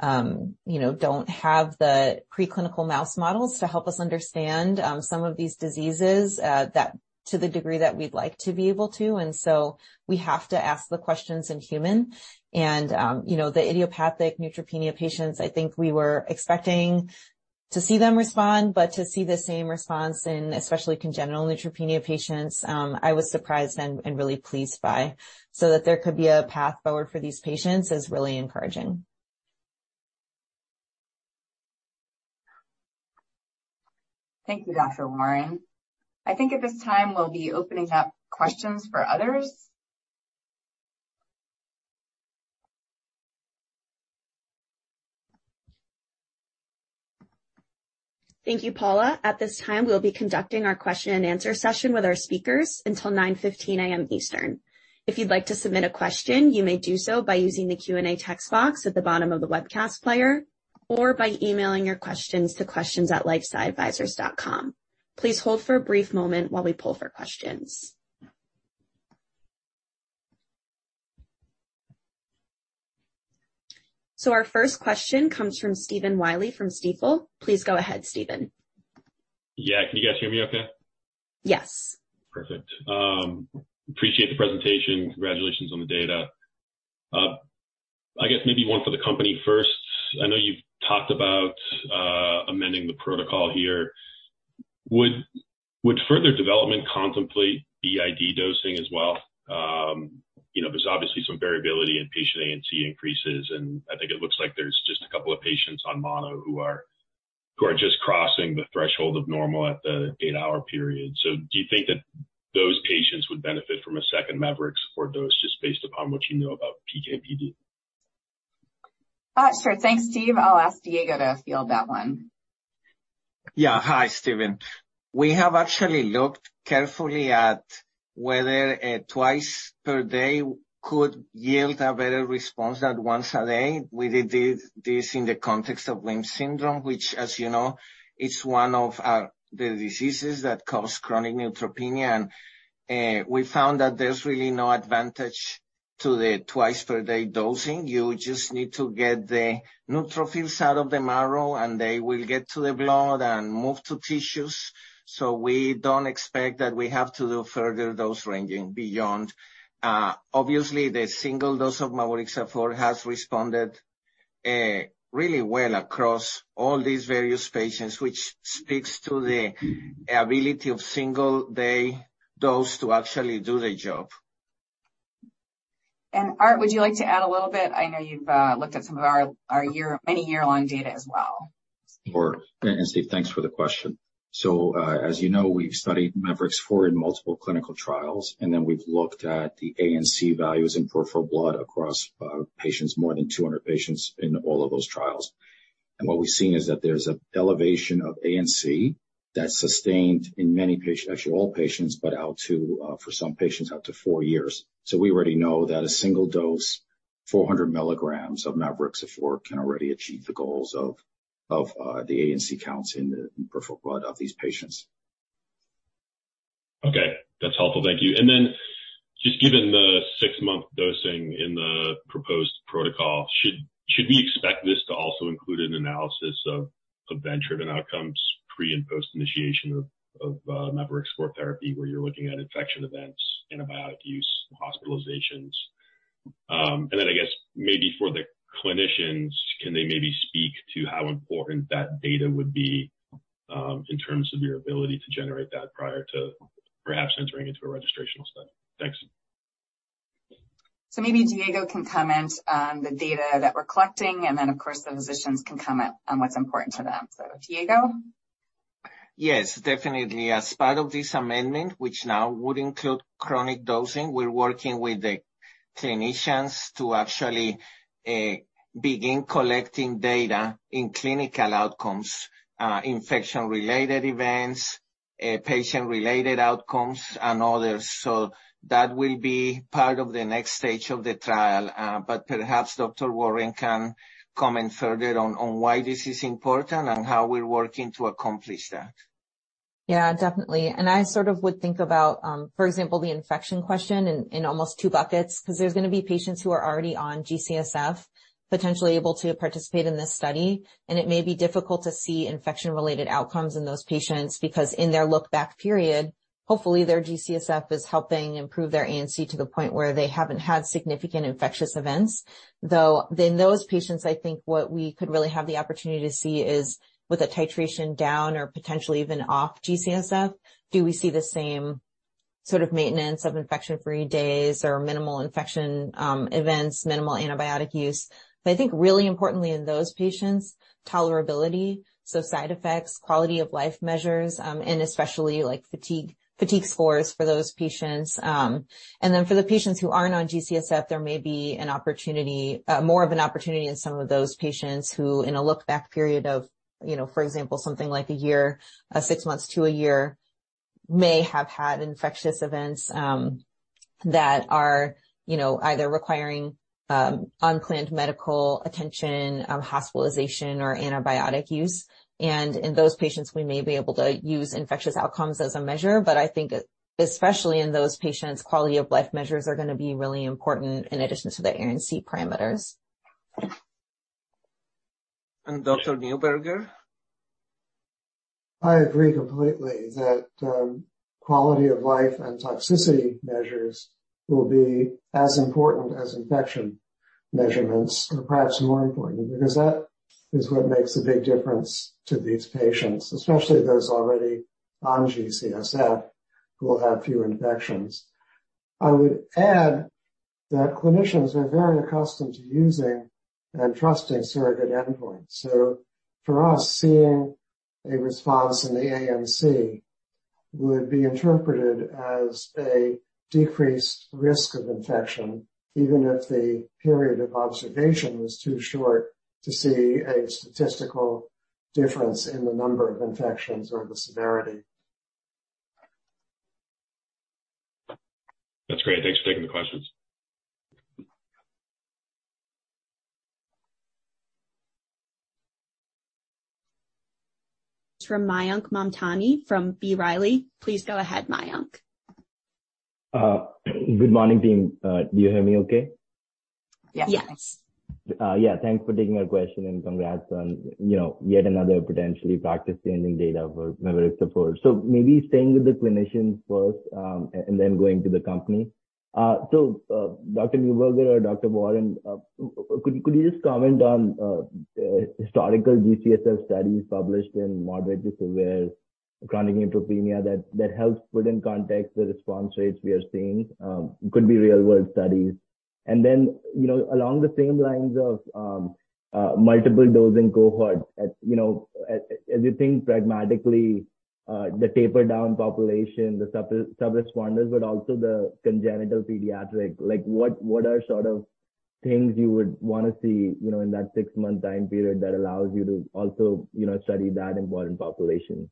you know, don't have the preclinical mouse models to help us understand some of these diseases that to the degree that we'd like to be able to. We have to ask the questions in humans and, you know, the idiopathic neutropenia patients. I think we were expecting to see them respond, but to see the same response in especially congenital neutropenia patients, I was surprised and really pleased by. That there could be a path forward for these patients is really encouraging. Thank you, Dr. Warren. I think at this time we'll be opening up questions for others. Thank you, Paula. At this time, we'll be conducting our question-and-answer session with our speakers until 9:15 A.M. Eastern. If you'd like to submit a question, you may do so by using the Q&A text box at the bottom of the webcast player or by emailing your questions to questions@lifesciadvisors.com. Please hold for a brief moment while we pull for questions. Our first question comes from Stephen Willey from Stifel. Please go ahead, Stephen. Yeah. Can you guys hear me okay? Yes. Perfect. Appreciate the presentation. Congratulations on the data. I guess maybe one for the company first. I know you've talked about amending the protocol here. Would further development contemplate BID dosing as well? You know, there's obviously some variability in patient ANC increases, and I think it looks like there's just a couple of patients on mono who are just crossing the threshold of normal at the eight-hour period. Do you think that those patients would benefit from a second mavorixafor dose just based upon what you know about PK/PD? Sure. Thanks, Steve. I'll ask Diego to field that one. Yeah. Hi, Stephen. We have actually looked carefully at whether 2x per day could yield a better response than once a day. We did this in the context of WHIM syndrome, which, as you know, is one of the diseases that cause chronic neutropenia. We found that there's really no advantage to the 2x per day dosing. You just need to get the neutrophils out of the marrow, and they will get to the blood and move to tissues. We don't expect that we have to do further dose ranging beyond. Obviously, the single dose of mavorixafor has responded really well across all these various patients, which speaks to the ability of single day dose to actually do the job. Art, would you like to add a little bit? I know you've looked at some of our many year-long data as well. Sure. Steve, thanks for the question. As you know, we've studied mavorixafor in multiple clinical trials, and then we've looked at the ANC values in peripheral blood across patients, more than 200 patients in all of those trials. What we've seen is that there's an elevation of ANC that's sustained in many patients, actually all patients, but out to, for some patients after four years. We already know that a single dose, 400 mg of mavorixafor can already achieve the goals of the ANC counts in the peripheral blood of these patients. Okay. That's helpful. Thank you. Just given the six-month dosing in the proposed protocol, should we expect this to also include an analysis of adverse events and outcomes pre- and post-initiation of mavorixafor therapy, where you're looking at infection events, antibiotic use, hospitalizations? I guess maybe for the clinicians, can they maybe speak to how important that data would be, in terms of your ability to generate that prior to perhaps entering into a registrational study? Thanks. Maybe Diego can comment on the data that we're collecting, and then of course, the physicians can comment on what's important to them. Diego? Yes, definitely. As part of this amendment, which now would include chronic dosing, we're working with the clinicians to actually begin collecting data in clinical outcomes, infection-related events, patient-related outcomes, and others. That will be part of the next stage of the trial. Perhaps Dr. Warren can comment further on why this is important and how we're working to accomplish that. Yeah, definitely. I sort of would think about, for example, the infection question in almost two buckets, 'cause there's gonna be patients who are already on G-CSF potentially able to participate in this study. It may be difficult to see infection-related outcomes in those patients because in their look-back period. Hopefully their G-CSF is helping improve their ANC to the point where they haven't had significant infectious events. Though in those patients, I think what we could really have the opportunity to see is with a titration down or potentially even off G-CSF, do we see the same sort of maintenance of infection-free days or minimal infection, events, minimal antibiotic use? I think really importantly in those patients, tolerability, so side effects, quality of life measures, and especially like fatigue scores for those patients. For the patients who aren't on G-CSF, there may be an opportunity, more of an opportunity in some of those patients who in a look back period of, you know, for example, something like a year, six months to a year, may have had infectious events, that are, you know, either requiring, unplanned medical attention, hospitalization or antibiotic use. In those patients, we may be able to use infectious outcomes as a measure. I think especially in those patients, quality of life measures are gonna be really important in addition to their ANC parameters. Dr. Newburger? I agree completely that, quality of life and toxicity measures will be as important as infection measurements, or perhaps more important, because that is what makes a big difference to these patients, especially those already on G-CSF who will have fewer infections. I would add that clinicians are very accustomed to using and trusting surrogate endpoints. For us, seeing a response in the ANC would be interpreted as a decreased risk of infection, even if the period of observation was too short to see a statistical difference in the number of infections or the severity. That's great. Thanks for taking the questions. From Mayank Mamtani from B. Riley. Please go ahead, Mayank. Good morning, team. Do you hear me okay? Yes. <crosstalk> Yeah, thanks for taking our question and congrats on, you know, yet another potentially practice-changing data for mavorixafor. Maybe staying with the clinicians first, and then going to the company. Dr. Newburger or Dr. Warren, could you just comment on historical G-CSF studies published in moderately severe chronic neutropenia that helps put in context the response rates we are seeing? Could be real-world studies. Then, you know, along the same lines of multiple dosing cohorts, as you think pragmatically, the taper-down population, the sub-responders, but also the congenital pediatric, like what are sort of things you would wanna see, you know, in that six-month time period that allows you to also, you know, study that important population?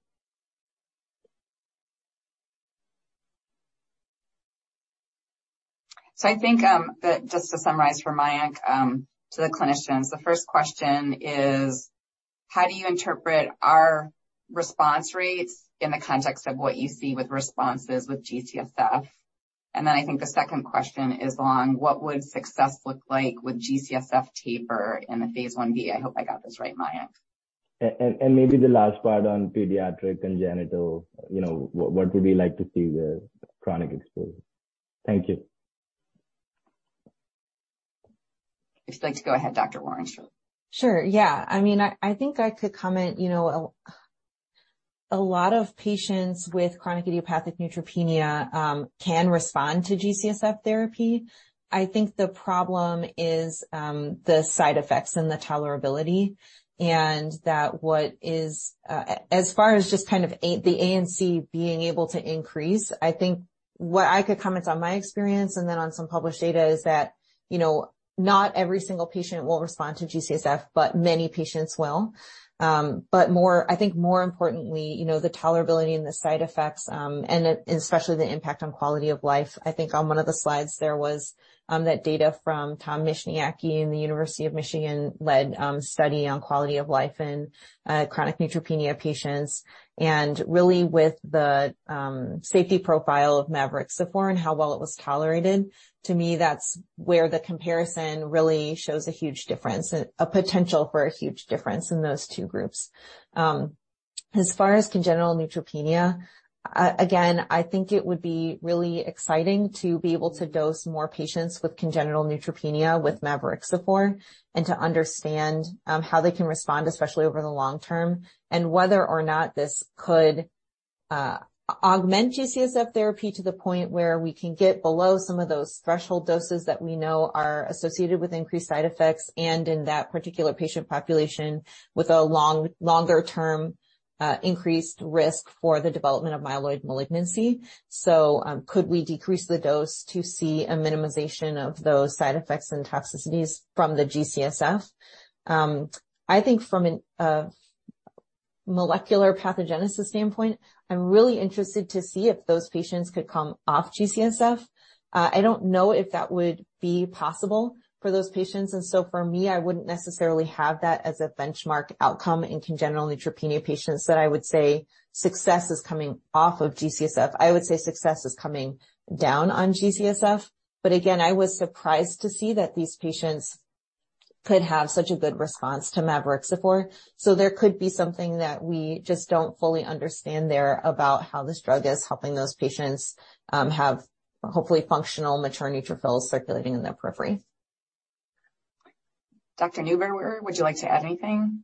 I think that just to summarize for Mayank to the clinicians, the first question is how do you interpret our response rates in the context of what you see with responses with G-CSF? Then I think the second question is on what would success look like with G-CSF taper in the phase Ib. I hope I got this right, Mayank. Maybe the last part on pediatric congenital, you know, what would we like to see with chronic exposure? Thank you. If you'd like to go ahead, Dr. Warren. Sure. Yeah. I mean, I think I could comment, you know, a lot of patients with chronic idiopathic neutropenia can respond to G-CSF therapy. I think the problem is the side effects and the tolerability, and as far as just kind of the ANC being able to increase, I think what I could comment on my experience and then on some published data is that, you know, not every single patient will respond to G-CSF, but many patients will. I think more importantly, you know, the tolerability and the side effects, and especially the impact on quality of life. I think on one of the slides there was that data from Thomas Michniacki in the University of Michigan-led study on quality of life in chronic neutropenia patients. Really with the safety profile of mavorixafor and how well it was tolerated, to me, that's where the comparison really shows a huge difference, a potential for a huge difference in those two groups. As far as congenital neutropenia, again, I think it would be really exciting to be able to dose more patients with congenital neutropenia with mavorixafor and to understand how they can respond, especially over the long term, and whether or not this could augment G-CSF therapy to the point where we can get below some of those threshold doses that we know are associated with increased side-effects and in that particular patient population with a longer-term increased risk for the development of myeloid malignancy. Could we decrease the dose to see a minimization of those side effects and toxicities from the G-CSF? I think from a molecular pathogenesis standpoint, I'm really interested to see if those patients could come off G-CSF. I don't know if that would be possible for those patients. For me, I wouldn't necessarily have that as a benchmark outcome in congenital neutropenia patients, that I would say success is coming off of G-CSF. I would say success is coming down on G-CSF. Again, I was surprised to see that these patients could have such a good response to mavorixafor. There could be something that we just don't fully understand there about how this drug is helping those patients have hopefully functional mature neutrophils circulating in their periphery. Dr. Newburger, would you like to add anything?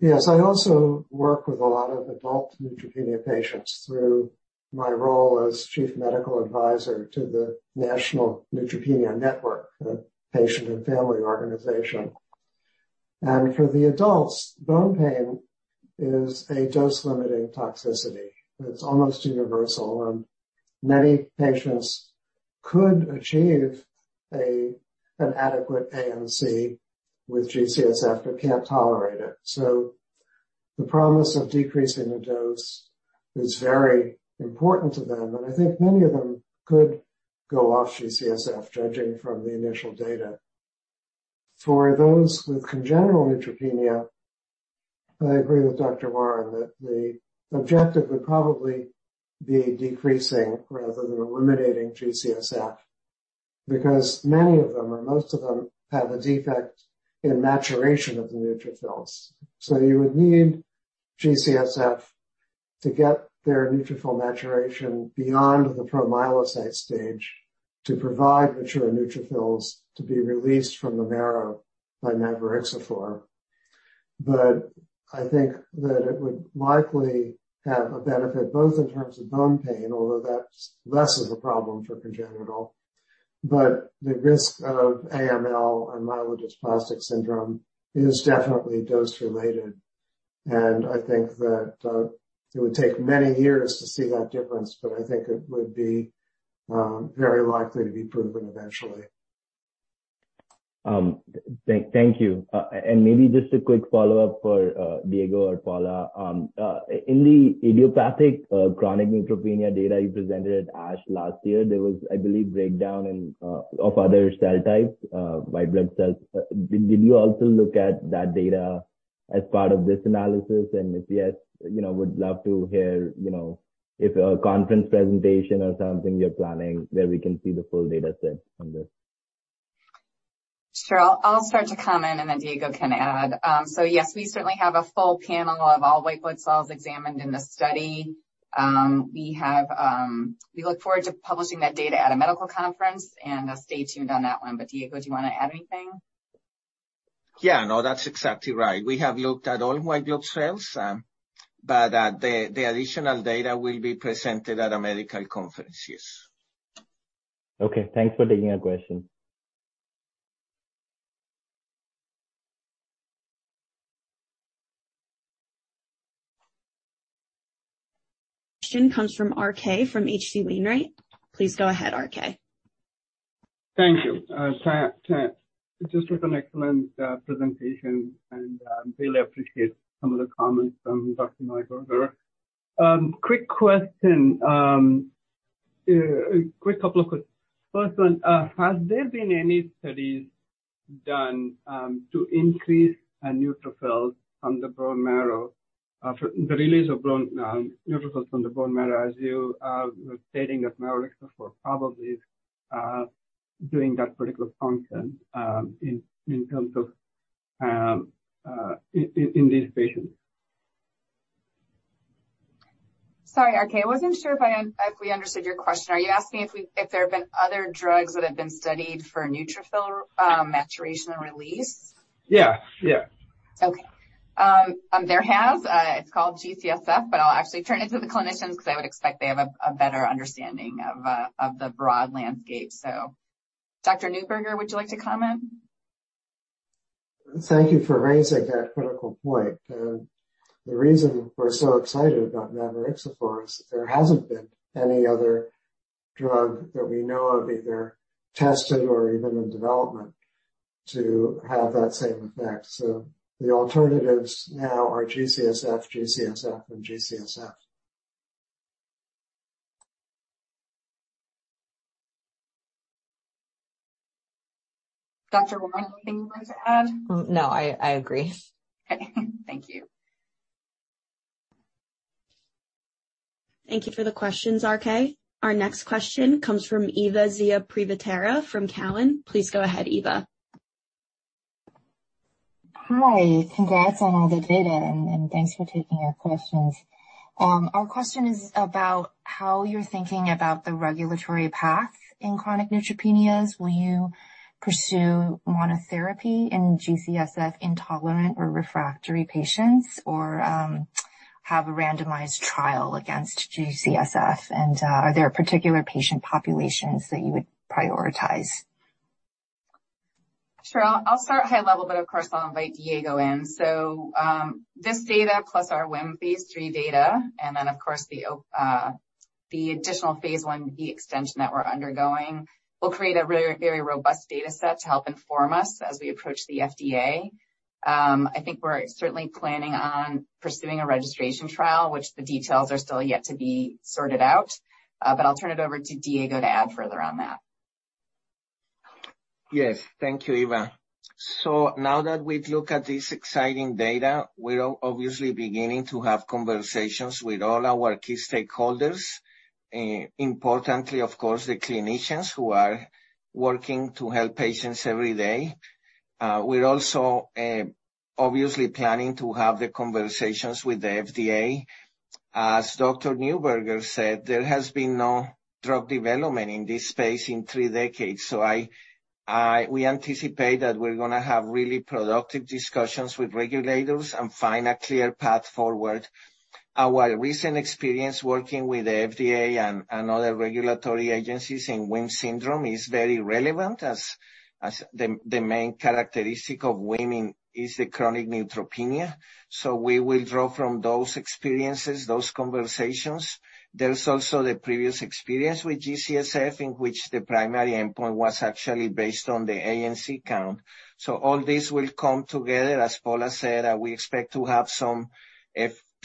Yes. I also work with a lot of adult neutropenia patients through my role as Chief Medical Advisor to the National Neutropenia Network, a patient and family organization. For the adults, bone pain is a dose-limiting toxicity. It's almost universal, and many patients could achieve an adequate ANC with G-CSF but can't tolerate it. The promise of decreasing the dose is very important to them, and I think many of them could go off G-CSF, judging from the initial data. For those with congenital neutropenia, I agree with Dr. Warren that the objective would probably be decreasing rather than eliminating G-CSF because many of them, or most of them, have a defect in maturation of the neutrophils. You would need G-CSF to get their neutrophil maturation beyond the promyelocyte stage to provide mature neutrophils to be released from the marrow by mavorixafor. I think that it would likely have a benefit both in terms of bone pain, although that's less of a problem for congenital, but the risk of AML and myelodysplastic syndrome is definitely dose-related. I think that it would take many years to see that difference, but I think it would be very likely to be proven eventually. Thank you. Maybe just a quick follow-up for Diego or Paula. In the idiopathic chronic neutropenia data you presented at ASH last year, there was, I believe, breakdown of other cell types, white blood cells. Did you also look at that data as part of this analysis? If yes, you know, would love to hear, you know, if a conference presentation or something you're planning where we can see the full data set on this. Sure. I'll start to comment, and then Diego can add. So yes, we certainly have a full panel of all white blood cells examined in the study. We look forward to publishing that data at a medical conference, and stay tuned on that one. Diego, do you wanna add anything? Yeah, no, that's exactly right. We have looked at all white blood cells, but the additional data will be presented at a medical conference. Yes. Okay. Thanks for taking my question. Question comes from RK from H.C. Wainwright. Please go ahead, RK. Thank you. That was just an excellent presentation, and really appreciate some of the comments from Dr. Newburger. Quick question. A quick couple of questions. First one, have there been any studies done to increase a neutrophil from the bone marrow for the release of bone neutrophils from the bone marrow as you were stating that mavorixafor probably is doing that particular function in terms of in these patients? Sorry, RK, I wasn't sure if we understood your question. Are you asking if there have been other drugs that have been studied for neutrophil maturation and release? Yeah. Yeah. Okay. It's called G-CSF, but I'll actually turn it to the clinicians because I would expect they have a better understanding of the broad landscape. Dr. Newburger, would you like to comment? Thank you for raising that critical point. The reason we're so excited about mavorixafor is there hasn't been any other drug that we know of either tested or even in development to have that same effect. The alternatives now are G-CSF, G-CSF, and G-CSF. Dr. Warren, anything you'd like to add? No, I agree. Okay. Thank you. Thank you for the questions, RK. Our next question comes from Eva Xia Privitera from Cowen. Please go ahead, Eva. Hi. Congrats on all the data, and thanks for taking our questions. Our question is about how you're thinking about the regulatory path in chronic neutropenias. Will you pursue monotherapy in G-CSF-intolerant or refractory patients or have a randomized trial against G-CSF? Are there particular patient populations that you would prioritize? Sure. I'll start high-level, but of course, I'll invite Diego in. This data plus our WHIM phase III data and then, of course, the additional phase Ib extension that we're undergoing will create a very, very robust data set to help inform us as we approach the FDA. I think we're certainly planning on pursuing a registration trial, which the details are still yet to be sorted out. I'll turn it over to Diego to add further on that. Yes. Thank you, Eva. Now that we've looked at this exciting data, we're obviously beginning to have conversations with all our key stakeholders, importantly, of course, the clinicians who are working to help patients every day. Obviously planning to have the conversations with the FDA. As Dr. Newburger said, there has been no drug development in this space in three decades, so we anticipate that we're gonna have really productive discussions with regulators and find a clear path forward. Our recent experience working with the FDA and other regulatory agencies in WHIM syndrome is very relevant as the main characteristic of WHIM is the chronic neutropenia. We will draw from those experiences, those conversations. There's also the previous experience with G-CSF, in which the primary endpoint was actually based on the ANC count. All this will come together. As Paula said, we expect to have some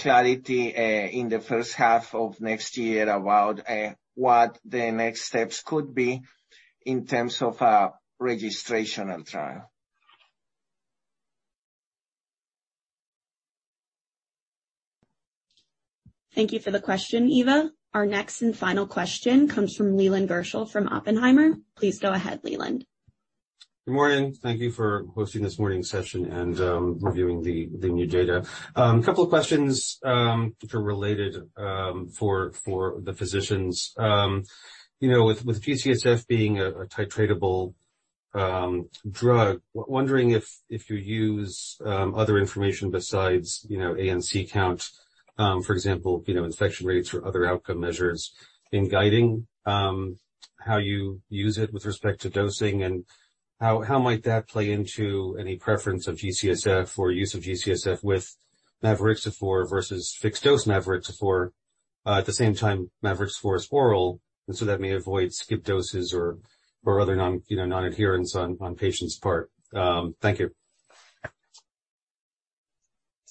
clarity in the first half of next year about what the next steps could be in terms of a registrational trial. Thank you for the question, Eva. Our next and final question comes from Leland Gershell from Oppenheimer. Please go ahead, Leland. Good morning. Thank you for hosting this morning's session and reviewing the new data. A couple of questions, which are related, for the physicians. You know, with G-CSF being a titratable drug, wondering if you use other information besides, you know, ANC count, for example, you know, infection rates or other outcome measures in guiding how you use it with respect to dosing and how might that play into any preference of G-CSF or use of G-CSF with mavorixafor versus fixed-dose mavorixafor. At the same time, mavorixafor is oral, and so that may avoid skip doses or other non-adherence on the patient's part. Thank you.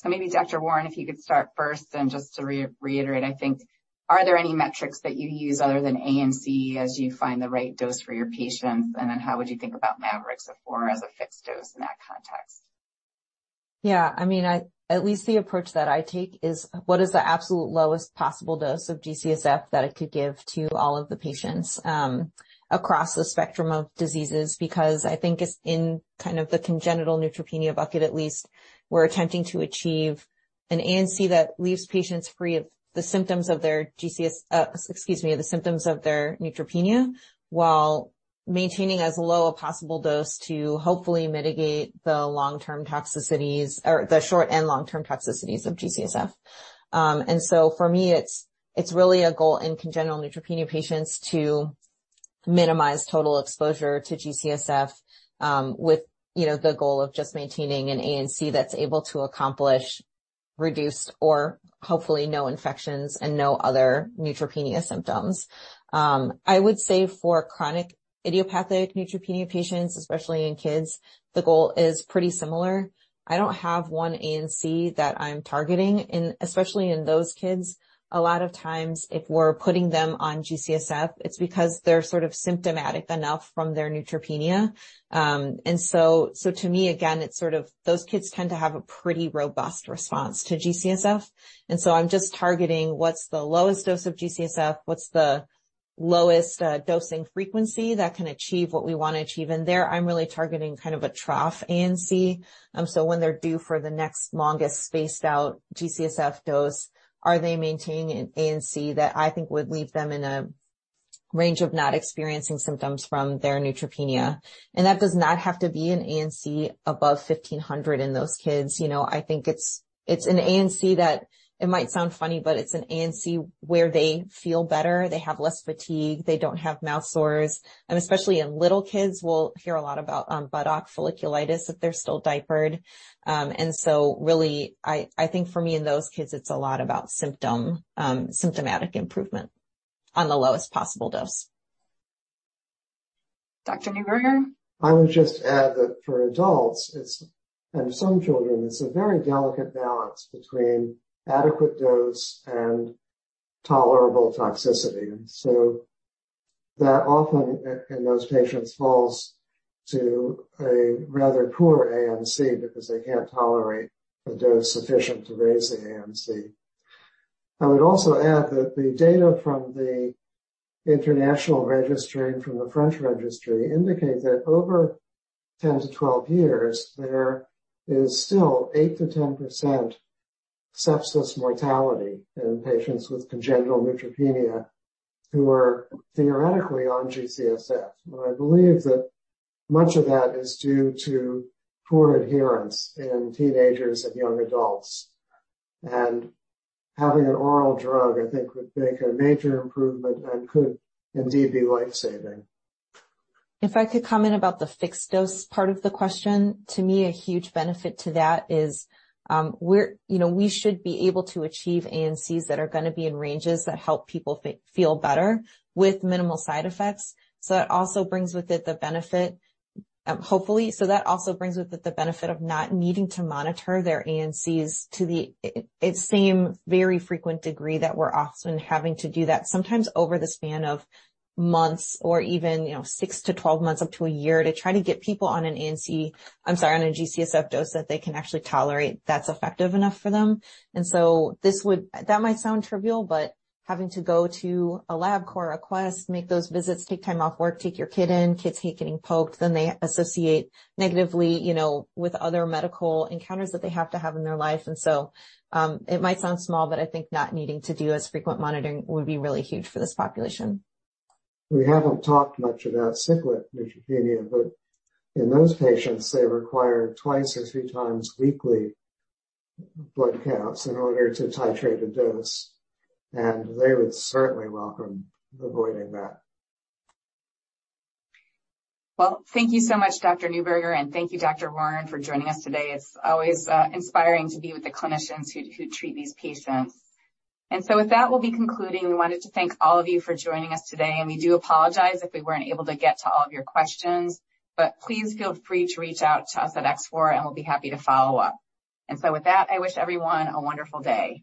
Maybe Dr. Warren, if you could start first, then just to reiterate, I think, are there any metrics that you use other than ANC as you find the right dose for your patients? And then how would you think about mavorixafor as a fixed dose in that context? Yeah, I mean, at least the approach that I take is what is the absolute lowest possible dose of G-CSF that I could give to all of the patients across the spectrum of diseases? Because I think it's in kind of the congenital neutropenia bucket, at least we're attempting to achieve an ANC that leaves patients free of the symptoms of their G-CSF while maintaining as low a possible dose to hopefully mitigate the long-term toxicities or the short and long-term toxicities of G-CSF. For me, it's really a goal in congenital neutropenia patients to minimize total exposure to G-CSF with the goal of just maintaining an ANC that's able to accomplish reduced or hopefully no infections and no other neutropenia symptoms. I would say for chronic idiopathic neutropenia patients, especially in kids, the goal is pretty similar. I don't have one ANC that I'm targeting in, especially in those kids. A lot of times, if we're putting them on G-CSF, it's because they're sort of symptomatic enough from their neutropenia. To me, again, it's sort of those kids tend to have a pretty robust response to G-CSF, and so I'm just targeting what's the lowest dose of G-CSF, what's the lowest, dosing frequency that can achieve what we wanna achieve. There I'm really targeting kind of a trough ANC. When they're due for the next longest spaced out G-CSF dose, are they maintaining an ANC that I think would leave them in a range of not experiencing symptoms from their neutropenia? That does not have to be an ANC above 1500 in those kids. You know, I think it's an ANC that it might sound funny, but it's an ANC where they feel better, they have less fatigue, they don't have mouth sores. Especially in little kids, we'll hear a lot about buttock folliculitis if they're still diapered. Really, I think for me in those kids, it's a lot about symptomatic improvement on the lowest possible dose. Dr. Newburger? I would just add that for adults and some children, it's a very delicate balance between adequate dose and tolerable toxicity. That often in those patients falls to a rather poor ANC because they can't tolerate the dose sufficient to raise the ANC. I would also add that the data from the international registry and from the French registry indicate that over 10-12 years, there is still 8%-10% sepsis mortality in patients with congenital neutropenia who are theoretically on G-CSF. I believe that much of that is due to poor adherence in teenagers and young adults. Having an oral drug, I think would make a major improvement and could indeed be life-saving. If I could comment about the fixed dose part of the question. To me, a huge benefit to that is, we're, you know, we should be able to achieve ANCs that are gonna be in ranges that help people feel better with minimal side-effects. So that also brings with it the benefit, hopefully, of not needing to monitor their ANCs to the same very frequent degree that we're often having to do that sometimes over the span of months or even, you know, six to 12 months, up to a year, to try to get people on an ANC, I'm sorry, on a G-CSF dose that they can actually tolerate, that's effective enough for them. This would. That might sound trivial, but having to go to a Labcorp request, make those visits, take time off work, take your kid in, kids hate getting poked, then they associate negatively, you know, with other medical encounters that they have to have in their life. It might sound small, but I think not needing to do as frequent monitoring would be really huge for this population. We haven't talked much about cyclic neutropenia, but in those patients, they require 2x or 3x weekly blood counts in order to titrate a dose, and they would certainly welcome avoiding that. Well, thank you so much, Dr. Newburger, and thank you, Dr. Warren, for joining us today. It's always inspiring to be with the clinicians who treat these patients. With that, we'll be concluding. We wanted to thank all of you for joining us today, and we do apologize if we weren't able to get to all of your questions. Please feel free to reach out to us at X4, and we'll be happy to follow up. With that, I wish everyone a wonderful day.